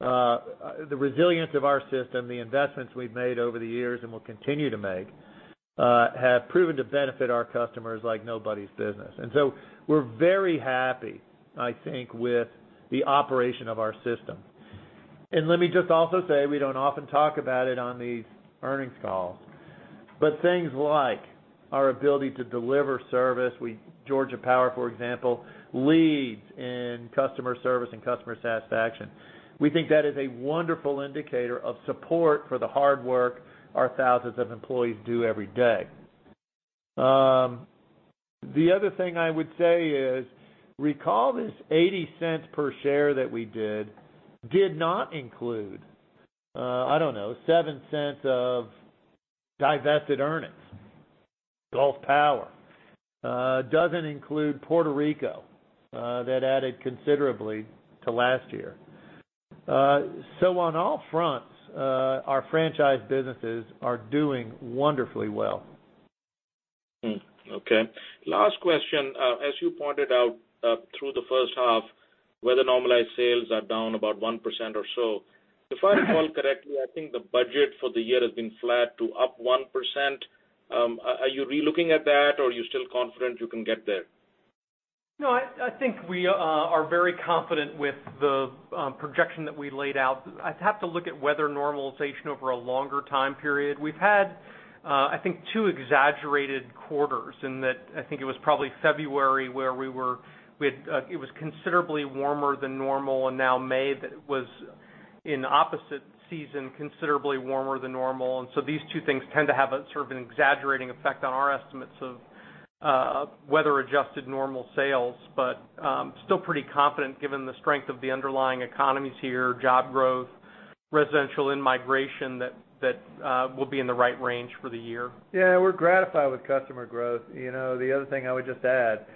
The resilience of our system, the investments we've made over the years and will continue to make, have proven to benefit our customers like nobody's business. We're very happy, I think, with the operation of our system. Let me just also say, we don't often talk about it on these earnings calls, but things like our ability to deliver service. Georgia Power, for example, leads in customer service and customer satisfaction. We think that is a wonderful indicator of support for the hard work our thousands of employees do every day. The other thing I would say is, recall this $0.80 per share that we did not include, I don't know, $0.07 of divested earnings. Gulf Power. Doesn't include Puerto Rico. That added considerably to last year. On all fronts, our franchise businesses are doing wonderfully well. Okay. Last question. As you pointed out through the first half, weather-normalized sales are down about 1% or so. If I recall correctly, I think the budget for the year has been flat to up 1%. Are you relooking at that, or are you still confident you can get there? No, I think we are very confident with the projection that we laid out. I'd have to look at weather normalization over a longer time period. We've had, I think two exaggerated quarters in that, I think it was probably February where it was considerably warmer than normal, and now May that was in opposite season, considerably warmer than normal. These two things tend to have sort of an exaggerating effect on our estimates of weather-adjusted normal sales. Still pretty confident, given the strength of the underlying economies here, job growth, residential in-migration, that we'll be in the right range for the year. Yeah. We're gratified with customer growth. The other thing I would just add,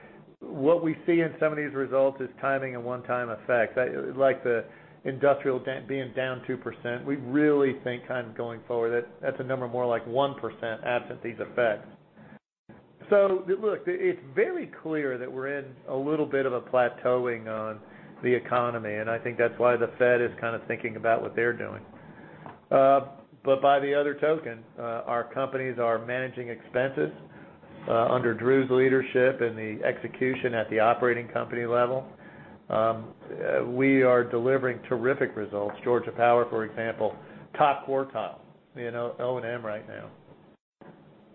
what we see in some of these results is timing and one-time effects, like the industrial being down 2%. We really think kind of going forward that that's a number more like 1% absent these effects. Look, it's very clear that we're in a little bit of a plateauing on the economy, and I think that's why the Fed is kind of thinking about what they're doing. By the other token, our companies are managing expenses under Drew's leadership and the execution at the operating company level. We are delivering terrific results. Georgia Power, for example, top quartile in O&M right now.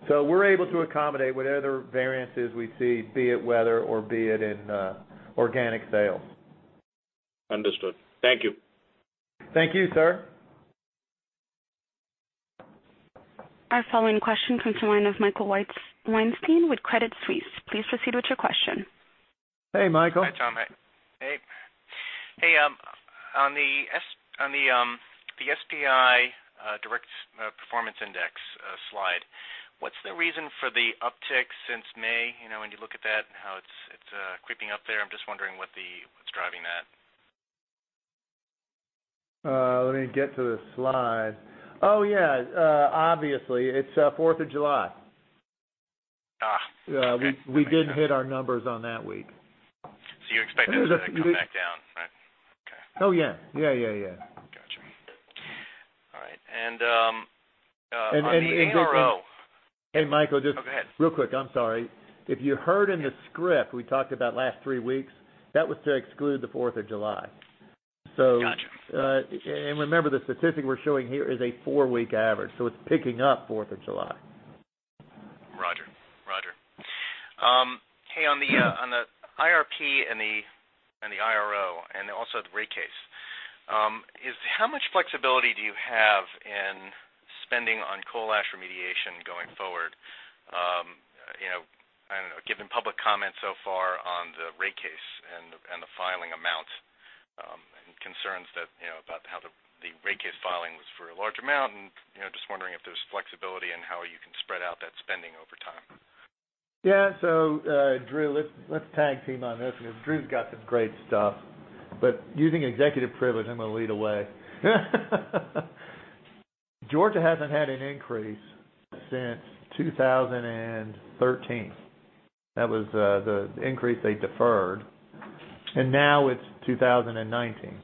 We're able to accommodate whatever variances we see, be it weather or be it in organic sales. Understood. Thank you. Thank you, sir. Our following question comes to the line of Michael Weinstein with Credit Suisse. Please proceed with your question. Hey, Michael. Hi, Tom. Hey, on the SPI Direct Performance Index slide, what's the reason for the uptick since May? When you look at that and how it's creeping up there, I'm just wondering what's driving that. Let me get to the slide. Oh, yeah. Obviously, it's 4th of July. Okay. We didn't hit our numbers on that week. You're expecting it to come back down, right? Okay. Oh, yeah. Got you. All right. Michael. Oh, go ahead. real quick. I'm sorry. If you heard in the script, we talked about last three weeks, that was to exclude the 4th of July. Got you. Remember, the statistic we're showing here is a 4-week average, so it's picking up 4th of July. Roger. Hey, on the IRP and the ARO, and also the rate case, how much flexibility do you have in spending on coal ash remediation going forward? I don't know, given public comment so far on the rate case and the filing amount, and concerns about how the rate case filing was for a large amount and just wondering if there's flexibility in how you can spread out that spending over time. Drew, let's tag team on this because Drew's got some great stuff. Using executive privilege, I'm going to lead away. Georgia hasn't had an increase since 2013. That was the increase they deferred. Now it's 2019.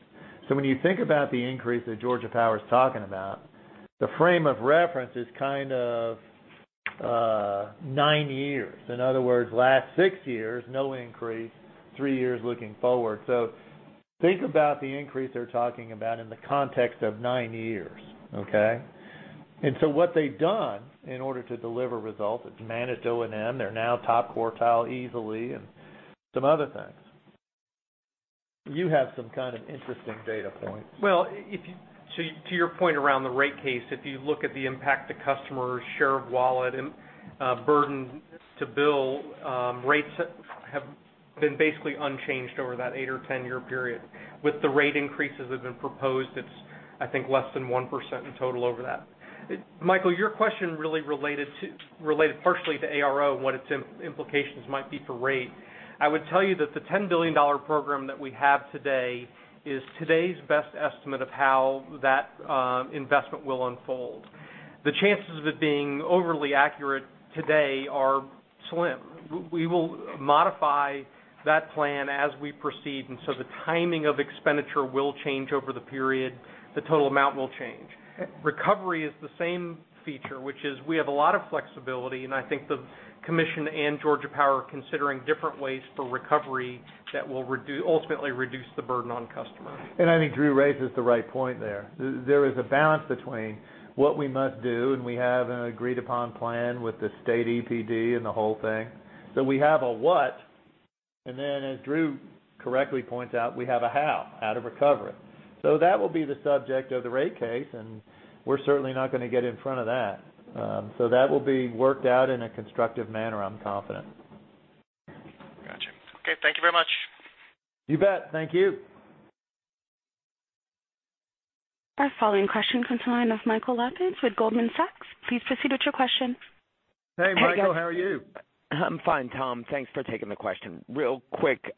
When you think about the increase that Georgia Power is talking about, the frame of reference is kind of nine years. In other words, last six years, no increase, three years looking forward. Think about the increase they're talking about in the context of nine years. Okay? What they've done in order to deliver results, it's managed O&M. They're now top quartile easily and some other things. You have some kind of interesting data points. To your point around the rate case, if you look at the impact to customers' share of wallet and burden to bill, rates have been basically unchanged over that eight or 10-year period. With the rate increases that have been proposed, it's I think less than 1% in total over that. Michael, your question really related partially to ARO and what its implications might be for rate. I would tell you that the $10 billion program that we have today is today's best estimate of how that investment will unfold. The chances of it being overly accurate today are slim. We will modify that plan as we proceed, the timing of expenditure will change over the period. The total amount will change. Recovery is the same feature, which is we have a lot of flexibility, and I think the Commission and Georgia Power are considering different ways for recovery that will ultimately reduce the burden on customers. I think Drew raises the right point there. There is a balance between what we must do, and we have an agreed-upon plan with the state EPD and the whole thing. We have a what, and then as Drew correctly points out, we have a how out of recovery. That will be the subject of the rate case, and we're certainly not going to get in front of that. That will be worked out in a constructive manner, I'm confident. Got you. Okay, thank you very much. You bet. Thank you. Our following question comes to the line of Michael Lapides with Goldman Sachs. Please proceed with your question. Hey, Michael. How are you? I'm fine, Tom. Thanks for taking the question. Real quick.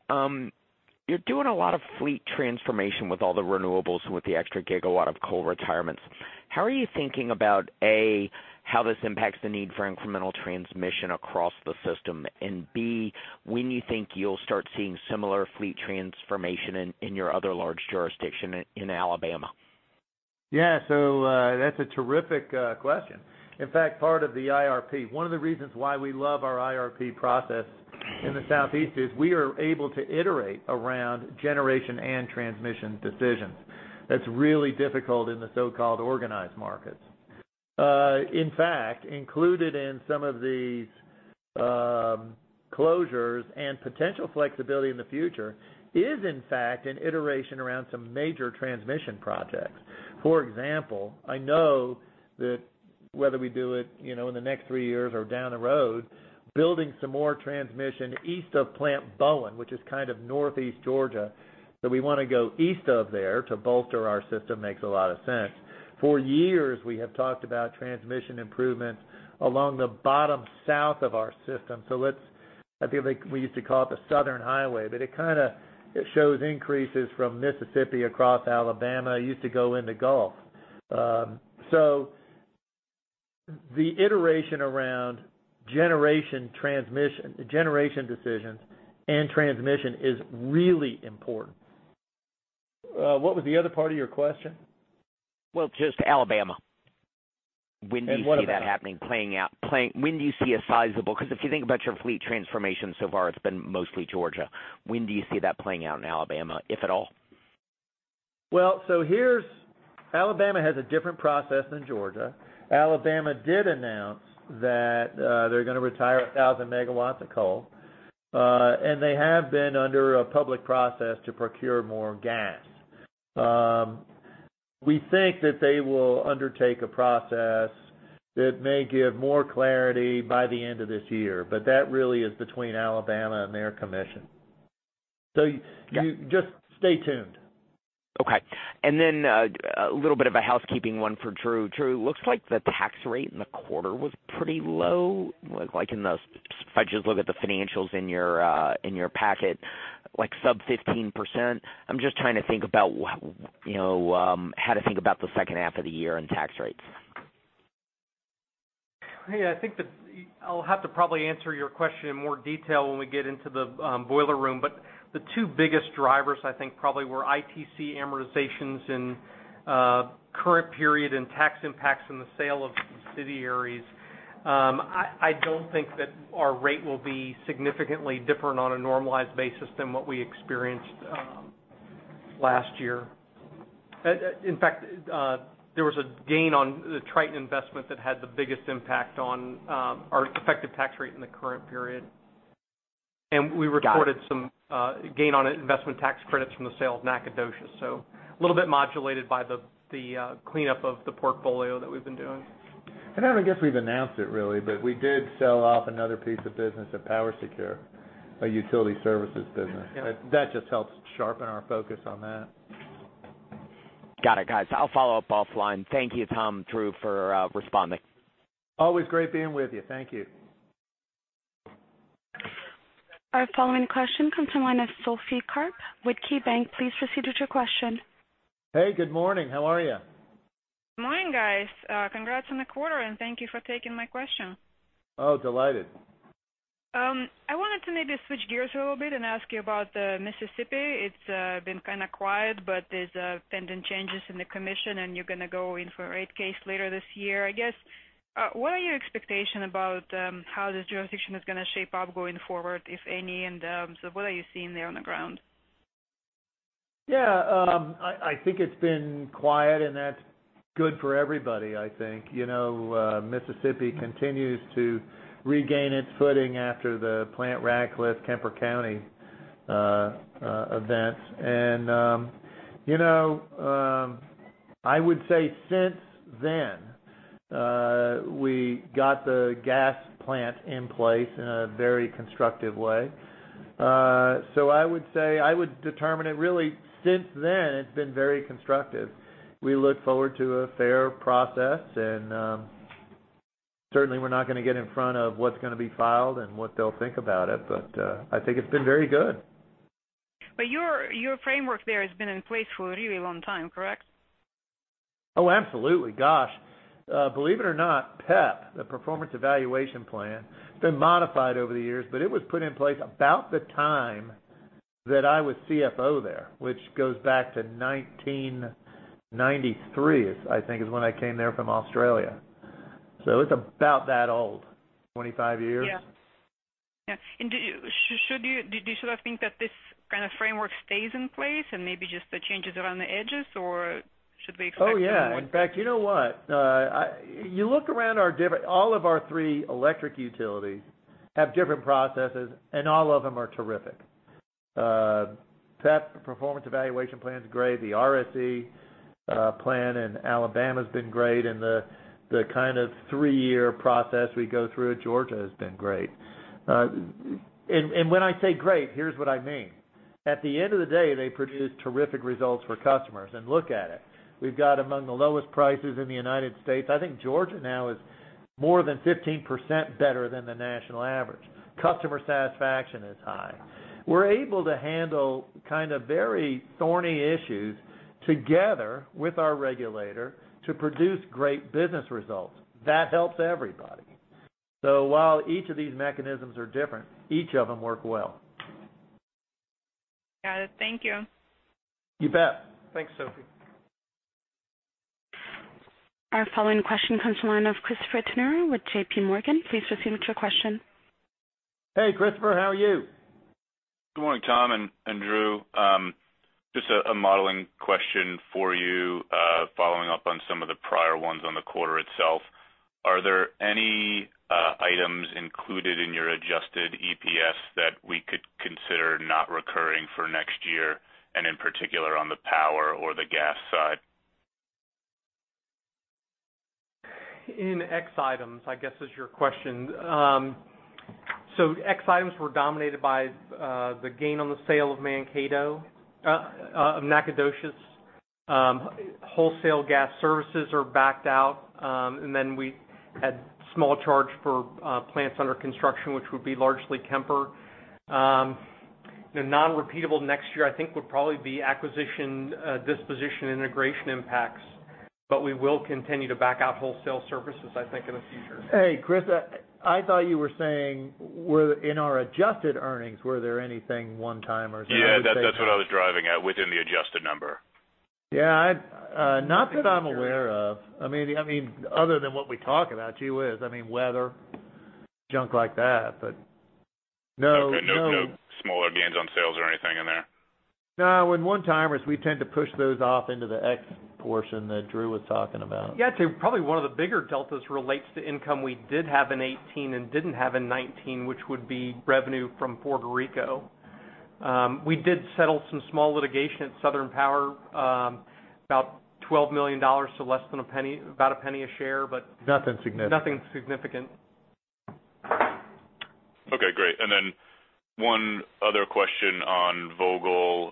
You're doing a lot of fleet transformation with all the renewables and with the extra gigawatt of coal retirements. How are you thinking about, A, how this impacts the need for incremental transmission across the system, and B, when you think you'll start seeing similar fleet transformation in your other large jurisdiction in Alabama? That's a terrific question. In fact, part of the IRP, one of the reasons why we love our IRP process in the Southeast is we are able to iterate around generation and transmission decisions. That's really difficult in the so-called organized markets. In fact, included in some of these closures and potential flexibility in the future is, in fact, an iteration around some major transmission projects. For example, I know that whether we do it in the next three years or down the road, building some more transmission east of Plant Bowen, which is kind of northeast Georgia, so we want to go east of there to bolster our system, makes a lot of sense. For years, we have talked about transmission improvements along the bottom south of our system. I think we used to call it the Southern Highway, but it kind of shows increases from Mississippi across Alabama. It used to go in the Gulf. The iteration around generation decisions and transmission is really important. What was the other part of your question? Well, just Alabama. What about it? When do you see that happening? If you think about your fleet transformation so far, it's been mostly Georgia. When do you see that playing out in Alabama, if at all? Alabama has a different process than Georgia. Alabama did announce that they're going to retire 1,000 megawatts of coal. They have been under a public process to procure more gas. We think that they will undertake a process that may give more clarity by the end of this year, but that really is between Alabama and their commission. Just stay tuned. Okay. A little bit of a housekeeping one for Drew. Drew, looks like the tax rate in the quarter was pretty low. If I just look at the financials in your packet, like sub 15%. I am just trying to think about the second half of the year and tax rates. Yeah, I think that I'll have to probably answer your question in more detail when we get into the boiler room. The two biggest drivers, I think, probably were ITC amortizations in current period and tax impacts from the sale of subsidiaries. I don't think that our rate will be significantly different on a normalized basis than what we experienced last year. In fact, there was a gain on the Triton investment that had the biggest impact on our effective tax rate in the current period. Got it. We recorded some gain on investment tax credits from the sale of Nacogdoches. A little bit modulated by the cleanup of the portfolio that we've been doing. I don't think we've announced it, really, but we did sell off another piece of business of PowerSecure, a utility services business. That just helps sharpen our focus on that. Got it. Guys, I'll follow up offline. Thank you, Tom, Drew, for responding. Always great being with you. Thank you. Our following question comes from the line of Sophie Karp with KeyBanc. Please proceed with your question. Hey, good morning. How are you? Morning, guys. Congrats on the quarter. Thank you for taking my question. Oh, delighted. I wanted to maybe switch gears a little bit and ask you about Mississippi. It's been kind of quiet, but there's pending changes in the commission, and you're going to go in for a rate case later this year. I guess, what are your expectation about how this jurisdiction is going to shape up going forward, if any, and so what are you seeing there on the ground? Yeah, I think it's been quiet, and that's good for everybody, I think. Mississippi continues to regain its footing after the Plant Ratcliffe Kemper County events. I would say since then, we got the gas plant in place in a very constructive way. I would determine it really since then, it's been very constructive. We look forward to a fair process, and certainly we're not going to get in front of what's going to be filed and what they'll think about it. I think it's been very good. Your framework there has been in place for a really long time, correct? Oh, absolutely. Gosh. Believe it or not, PEP, the performance evaluation plan, has been modified over the years, but it was put in place about the time that I was CFO there, which goes back to 1993, I think is when I came there from Australia. It's about that old, 25 years. Yeah. Should I think that this kind of framework stays in place and maybe just the changes around the edges? Should we expect more changes? Oh, yeah. In fact, you know what? You look around, all of our three electric utilities have different processes, and all of them are terrific. PEP, performance evaluation plan is great. The RSE plan in Alabama's been great, and the kind of three-year process we go through at Georgia has been great. When I say great, here's what I mean. At the end of the day, they produce terrific results for customers. Look at it. We've got among the lowest prices in the U.S. I think Georgia now is more than 15% better than the national average. Customer satisfaction is high. We're able to handle kind of very thorny issues together with our regulator to produce great business results. That helps everybody. While each of these mechanisms are different, each of them work well. Got it. Thank you. You bet. Thanks, Sophie. Our following question comes from the line of Christopher Turnure with J.P. Morgan. Please proceed with your question. Hey, Christopher. How are you? Good morning, Tom and Drew. Just a modeling question for you, following up on some of the prior ones on the quarter itself. Are there any items included in your adjusted EPS that we could consider not recurring for next year, and in particular, on the power or the gas side? In X items, I guess is your question. X items were dominated by the gain on the sale of Mankato, of Nacogdoches. Wholesale gas services are backed out. We had small charge for plants under construction, which would be largely Kemper. The non-repeatable next year, I think, would probably be acquisition disposition integration impacts. We will continue to back out wholesale services, I think, in the future. Hey, Chris, I thought you were saying in our adjusted earnings, were there anything one-timers? Yeah, that's what I was driving at within the adjusted number. Yeah. Not that I'm aware of. Other than what we talk about, gee whiz. I mean, weather, junk like that. No. Okay. No smaller gains on sales or anything in there? No. In one-timers, we tend to push those off into the X portion that Drew was talking about. Yeah, probably one of the bigger deltas relates to income we did have in 2018 and didn't have in 2019, which would be revenue from Puerto Rico. We did settle some small litigation at Southern Power, about $12 million, so about $0.01 a share. Nothing significant. nothing significant. Okay, great. One other question on Vogtle,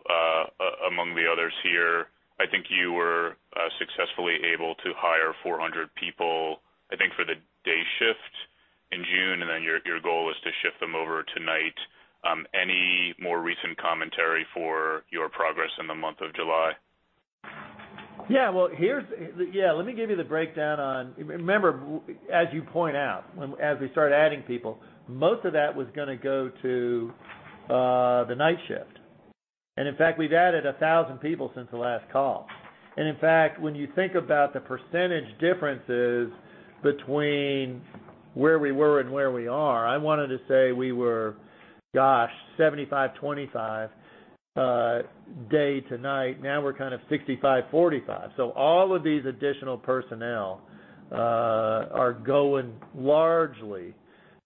among the others here? I think you were successfully able to hire 400 people, I think, for the day shift in June, and then your goal is to shift them over to night. Any more recent commentary for your progress in the month of July? Yeah. Let me give you the breakdown on Remember, as you point out, as we start adding people, most of that was going to go to the night shift. In fact, we've added 1,000 people since the last call. In fact, when you think about the percentage differences between where we were and where we are, I wanted to say we were, gosh, 75/25 day to night. Now we're kind of 65/45. All of these additional personnel are going largely to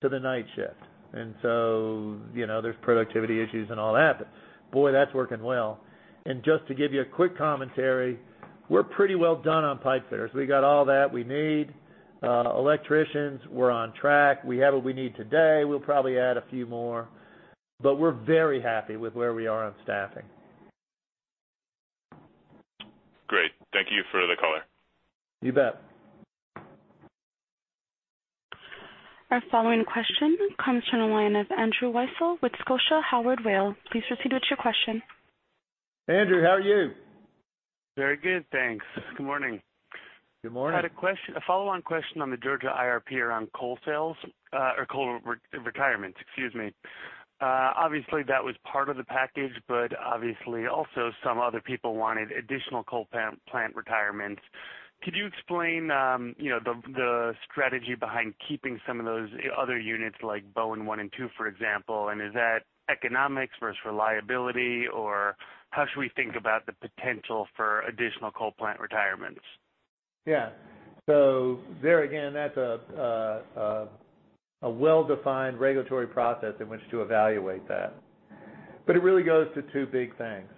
the night shift. There's productivity issues and all that, but boy, that's working well. Just to give you a quick commentary, we're pretty well done on pipefitters. We got all that we need. Electricians, we're on track. We have what we need today. We'll probably add a few more, but we're very happy with where we are on staffing. Great. Thank you for the color. You bet. Our following question comes from the line of Andrew Weisel with Scotia Howard Weil. Please proceed with your question. Andrew, how are you? Very good, thanks. Good morning. Good morning. I had a follow-on question on the Georgia IRP around coal sales, or coal retirements, excuse me. Obviously, that was part of the package, but obviously, also some other people wanted additional coal plant retirements. Could you explain the strategy behind keeping some of those other units like Bowen one and two, for example, and is that economics versus reliability, or how should we think about the potential for additional coal plant retirements? There again, that's a well-defined regulatory process in which to evaluate that. It really goes to two big things,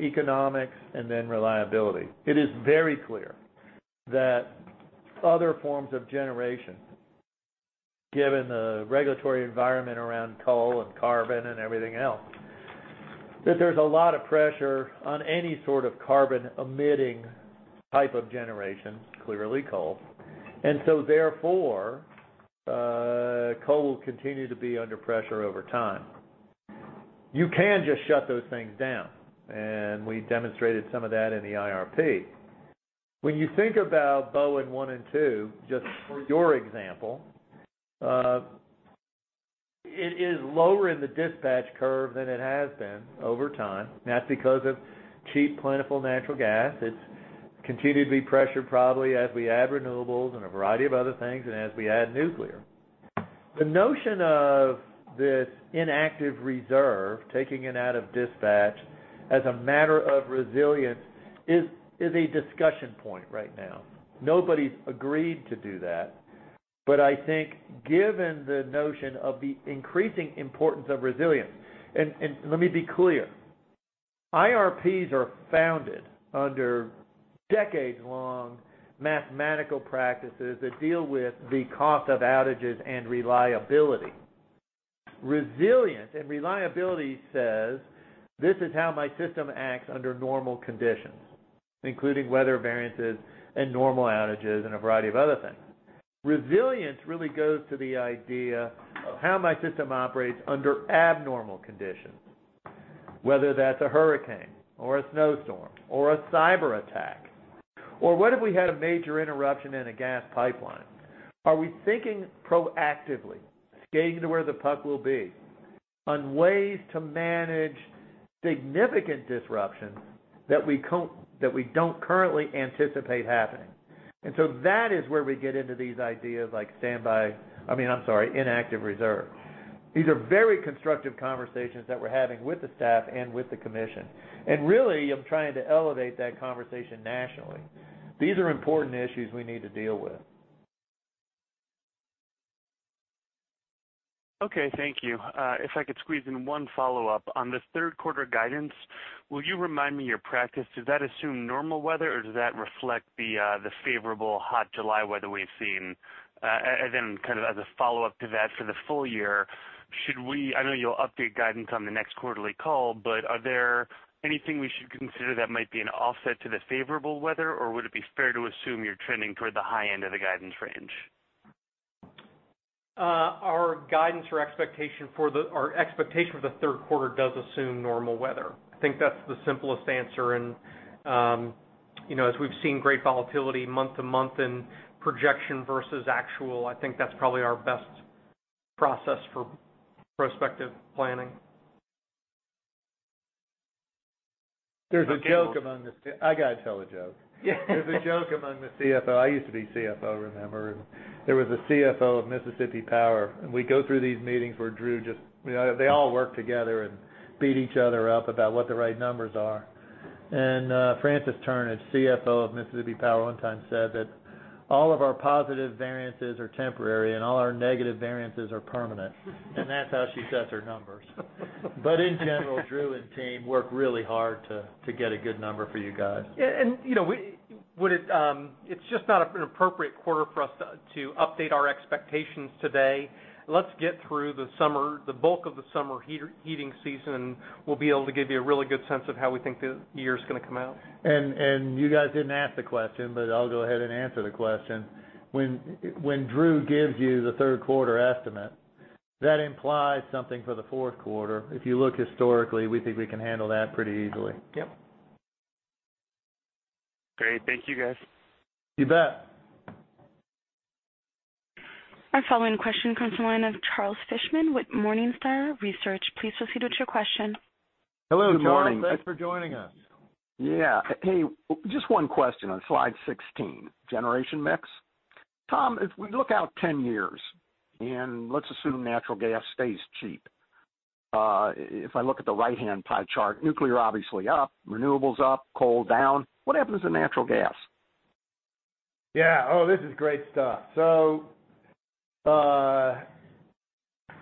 economics and then reliability. It is very clear that other forms of generation, given the regulatory environment around coal and carbon and everything else, that there's a lot of pressure on any sort of carbon-emitting type of generation, clearly coal. Therefore, coal will continue to be under pressure over time. You can just shut those things down, and we demonstrated some of that in the IRP. When you think about Bowen one and two, just for your example, it is lower in the dispatch curve than it has been over time. That's because of cheap, plentiful natural gas. It's continued to be pressured probably as we add renewables and a variety of other things and as we add nuclear. The notion of this inactive reserve, taking it out of dispatch as a matter of resilience is a discussion point right now. Nobody's agreed to do that. I think given the notion of the increasing importance of resilience, and let me be clear, IRPs are founded under decades-long mathematical practices that deal with the cost of outages and reliability. Resilience and reliability says, "This is how my system acts under normal conditions," including weather variances and normal outages and a variety of other things. Resilience really goes to the idea of how my system operates under abnormal conditions, whether that's a hurricane or a snowstorm or a cyberattack, or what if we had a major interruption in a gas pipeline? Are we thinking proactively, skating to where the puck will be, on ways to manage significant disruptions that we don't currently anticipate happening. That is where we get into these ideas like inactive reserve. These are very constructive conversations that we're having with the staff and with the commission. Really, I'm trying to elevate that conversation nationally. These are important issues we need to deal with. Okay, thank you. If I could squeeze in one follow-up. On the third quarter guidance, will you remind me your practice, does that assume normal weather, or does that reflect the favorable hot July weather we've seen? As a follow-up to that for the full year, I know you'll update guidance on the next quarterly call, but are there anything we should consider that might be an offset to the favorable weather, or would it be fair to assume you're trending toward the high end of the guidance range? Our expectation for the third quarter does assume normal weather. I think that's the simplest answer. As we've seen great volatility month-to-month in projection versus actual, I think that's probably our best process for prospective planning. There's a joke. I got to tell the joke. Yeah. There's a joke among the CFO. I used to be CFO, remember. There was a CFO of Mississippi Power, we go through these meetings where they all work together and beat each other up about what the right numbers are. Frances Turnage, CFO of Mississippi Power, one time said that all of our positive variances are temporary and all our negative variances are permanent. That's how she sets her numbers. In general, Drew and team work really hard to get a good number for you guys. It's just not an appropriate quarter for us to update our expectations today. Let's get through the bulk of the summer heating season, and we'll be able to give you a really good sense of how we think the year's going to come out. You guys didn't ask the question, but I'll go ahead and answer the question. When Drew gives you the third quarter estimate, that implies something for the fourth quarter. If you look historically, we think we can handle that pretty easily. Yep. Great. Thank you guys. You bet. Our following question comes from the line of Charles Fishman with Morningstar Research. Please proceed with your question. Hello, Charles. Thanks for joining us. Yeah. Hey, just one question on slide 16, generation mix. Tom, if we look out 10 years, and let's assume natural gas stays cheap. If I look at the right-hand pie chart, nuclear obviously up, renewables up, coal down. What happens to natural gas? Yeah. Oh, this is great stuff.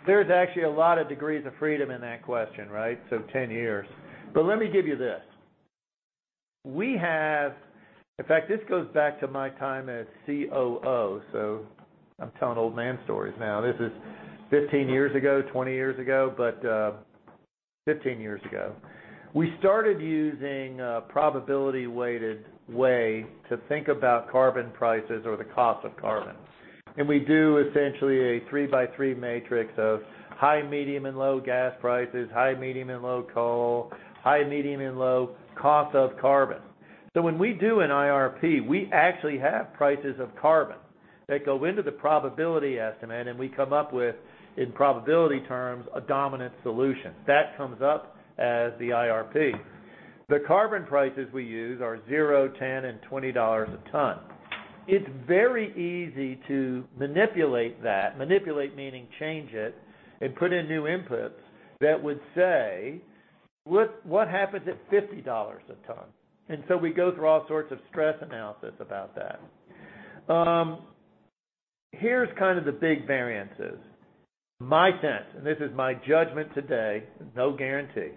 There's actually a lot of degrees of freedom in that question, right? 10 years. Let me give you this. In fact, this goes back to my time as COO, so I'm telling old man stories now. This is 15 years ago, 20 years ago, but 15 years ago. We started using a probability-weighted way to think about carbon prices or the cost of carbon. We do essentially a three by three matrix of high, medium, and low gas prices, high, medium, and low coal, high, medium, and low cost of carbon. When we do an IRP, we actually have prices of carbon that go into the probability estimate, and we come up with, in probability terms, a dominant solution. That comes up as the IRP. The carbon prices we use are zero, $10, and $20 a ton. It's very easy to manipulate that, manipulate meaning change it, and put in new inputs that would say, "What happens at $50 a ton?" We go through all sorts of stress analysis about that. Here's kind of the big variances. My sense, and this is my judgment today, no guarantee.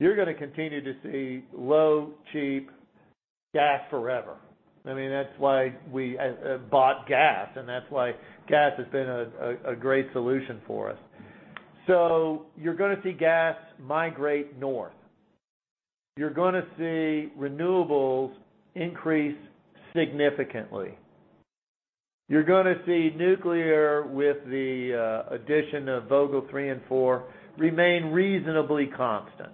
You're going to continue to see low cheap gas forever. That's why we bought gas, and that's why gas has been a great solution for us. You're going to see gas migrate north. You're going to see renewables increase significantly. You're going to see nuclear with the addition of Vogtle 3 and 4 remain reasonably constant.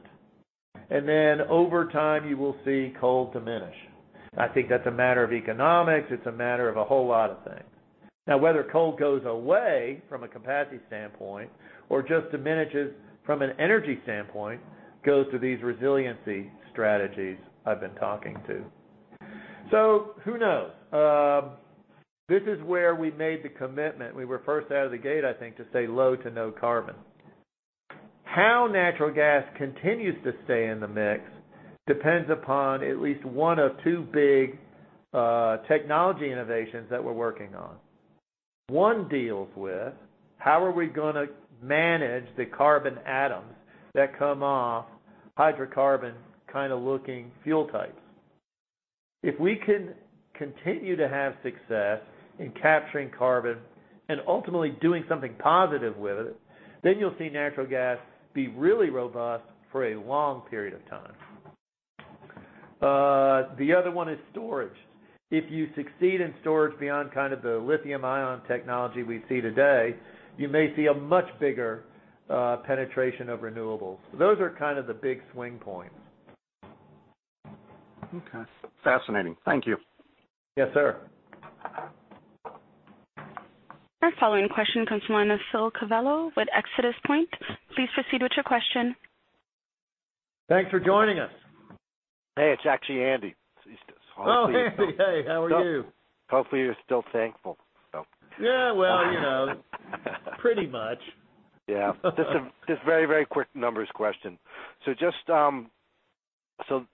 Over time, you will see coal diminish. I think that's a matter of economics. It's a matter of a whole lot of things. Now, whether coal goes away from a capacity standpoint or just diminishes from an energy standpoint goes to these resiliency strategies I've been talking to. Who knows? This is where we made the commitment. We were first out of the gate, I think, to say low to no carbon. How natural gas continues to stay in the mix depends upon at least one of two big technology innovations that we're working on. One deals with how are we going to manage the carbon atoms that come off hydrocarbon kind of looking fuel types. If we can continue to have success in capturing carbon and ultimately doing something positive with it, then you'll see natural gas be really robust for a long period of time. The other one is storage. If you succeed in storage beyond kind of the lithium-ion technology we see today, you may see a much bigger penetration of renewables. Those are kind of the big swing points. Okay. Fascinating. Thank you. Yes, sir. Our following question comes from line of Phil Cavallo with ExodusPoint. Please proceed with your question. Thanks for joining us. Hey, it's actually Andy. Oh, Andy. Hey, how are you? Hopefully you're still thankful. Yeah, well, you know. Pretty much. Yeah. Just a very quick numbers question. Just the $1.10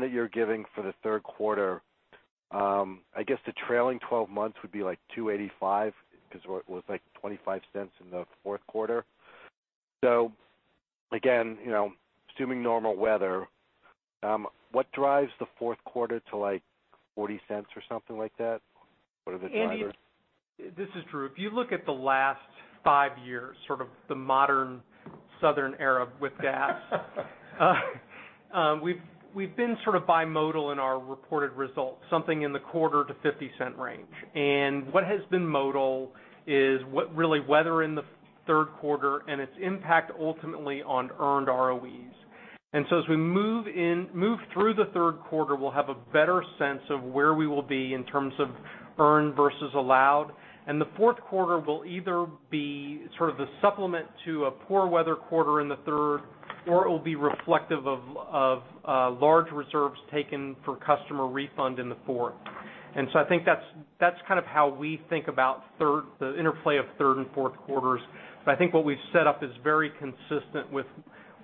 that you're giving for the third quarter, I guess the trailing 12 months would be like $2.85, because it was like $0.25 in the fourth quarter. Again, assuming normal weather, what drives the fourth quarter to like $0.40 or something like that? What are the drivers? Andy, this is Drew. If you look at the last five years, sort of the modern Southern era with Gas- We've been sort of bimodal in our reported results, something in the quarter to $0.50 range. What has been modal is what really weather in the third quarter and its impact ultimately on earned ROEs. As we move through the third quarter, we'll have a better sense of where we will be in terms of earn versus allowed. The fourth quarter will either be sort of the supplement to a poor weather quarter in the third, or it will be reflective of large reserves taken for customer refund in the fourth. I think that's kind of how we think about the interplay of third and fourth quarters. I think what we've set up is very consistent with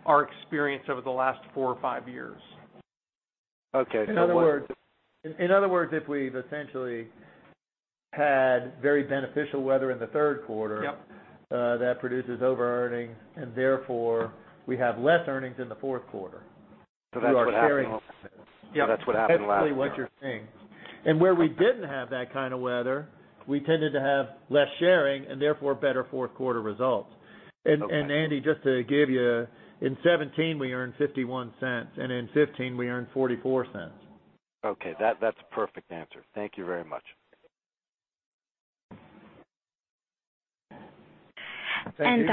our experience over the last four or five years. Okay. In other words, if we've essentially had very beneficial weather in the third quarter Yep that produces over-earnings, and therefore, we have less earnings in the fourth quarter. That's what happened last year. Yep. That's essentially what you're saying. Where we didn't have that kind of weather, we tended to have less sharing and therefore better fourth quarter results. Okay. Andy, just to give you, in 2017 we earned $0.51, and in 2015 we earned $0.44. Okay, that's a perfect answer. Thank you very much. Thank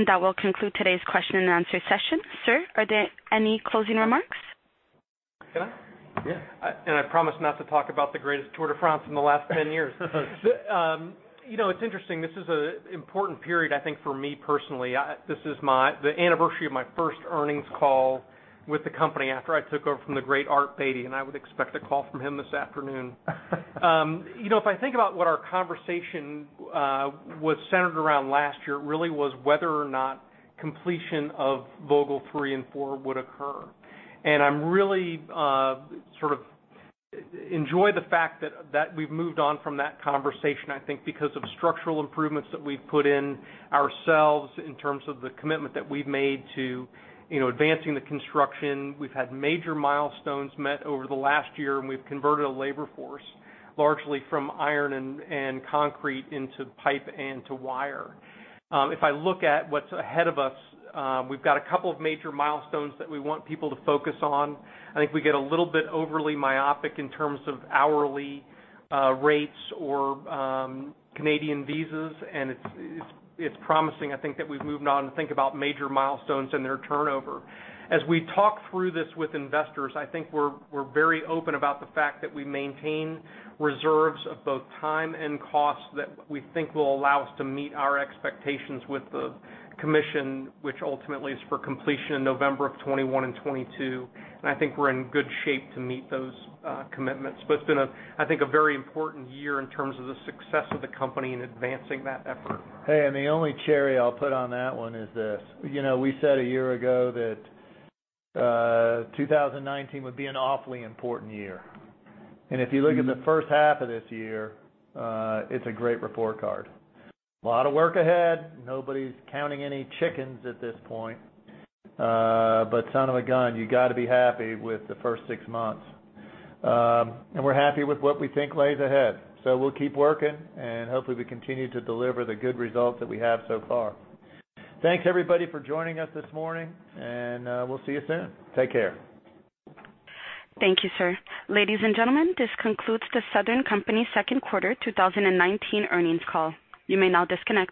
you. That will conclude today's question and answer session. Sir, are there any closing remarks? Can I? Yeah. I promise not to talk about the greatest Tour de France in the last 10 years. It's interesting. This is an important period, I think, for me personally. This is the anniversary of my first earnings call with the company after I took over from the great Art Beattie, and I would expect a call from him this afternoon. If I think about what our conversation was centered around last year, it really was whether or not completion of Vogtle 3 and 4 would occur. I really sort of enjoy the fact that we've moved on from that conversation, I think because of structural improvements that we've put in ourselves in terms of the commitment that we've made to advancing the construction. We've had major milestones met over the last year, and we've converted a labor force largely from iron and concrete into pipe and to wire. If I look at what's ahead of us, we've got a couple of major milestones that we want people to focus on. I think we get a little bit overly myopic in terms of hourly rates or Canadian visas, and it's promising, I think, that we've moved on to think about major milestones and their turnover. As we talk through this with investors, I think we're very open about the fact that we maintain reserves of both time and cost that we think will allow us to meet our expectations with the Commission, which ultimately is for completion in November of 2021 and 2022. I think we're in good shape to meet those commitments. It's been, I think, a very important year in terms of the success of the company in advancing that effort. Hey, the only cherry I'll put on that one is this. We said a year ago that 2019 would be an awfully important year. If you look at the first half of this year, it's a great report card. A lot of work ahead. Nobody's counting any chickens at this point. Son of a gun, you got to be happy with the first six months. We're happy with what we think lays ahead. We'll keep working, and hopefully we continue to deliver the good results that we have so far. Thanks everybody for joining us this morning, and we'll see you soon. Take care. Thank you, sir. Ladies and gentlemen, this concludes the Southern Company second quarter 2019 earnings call. You may now disconnect.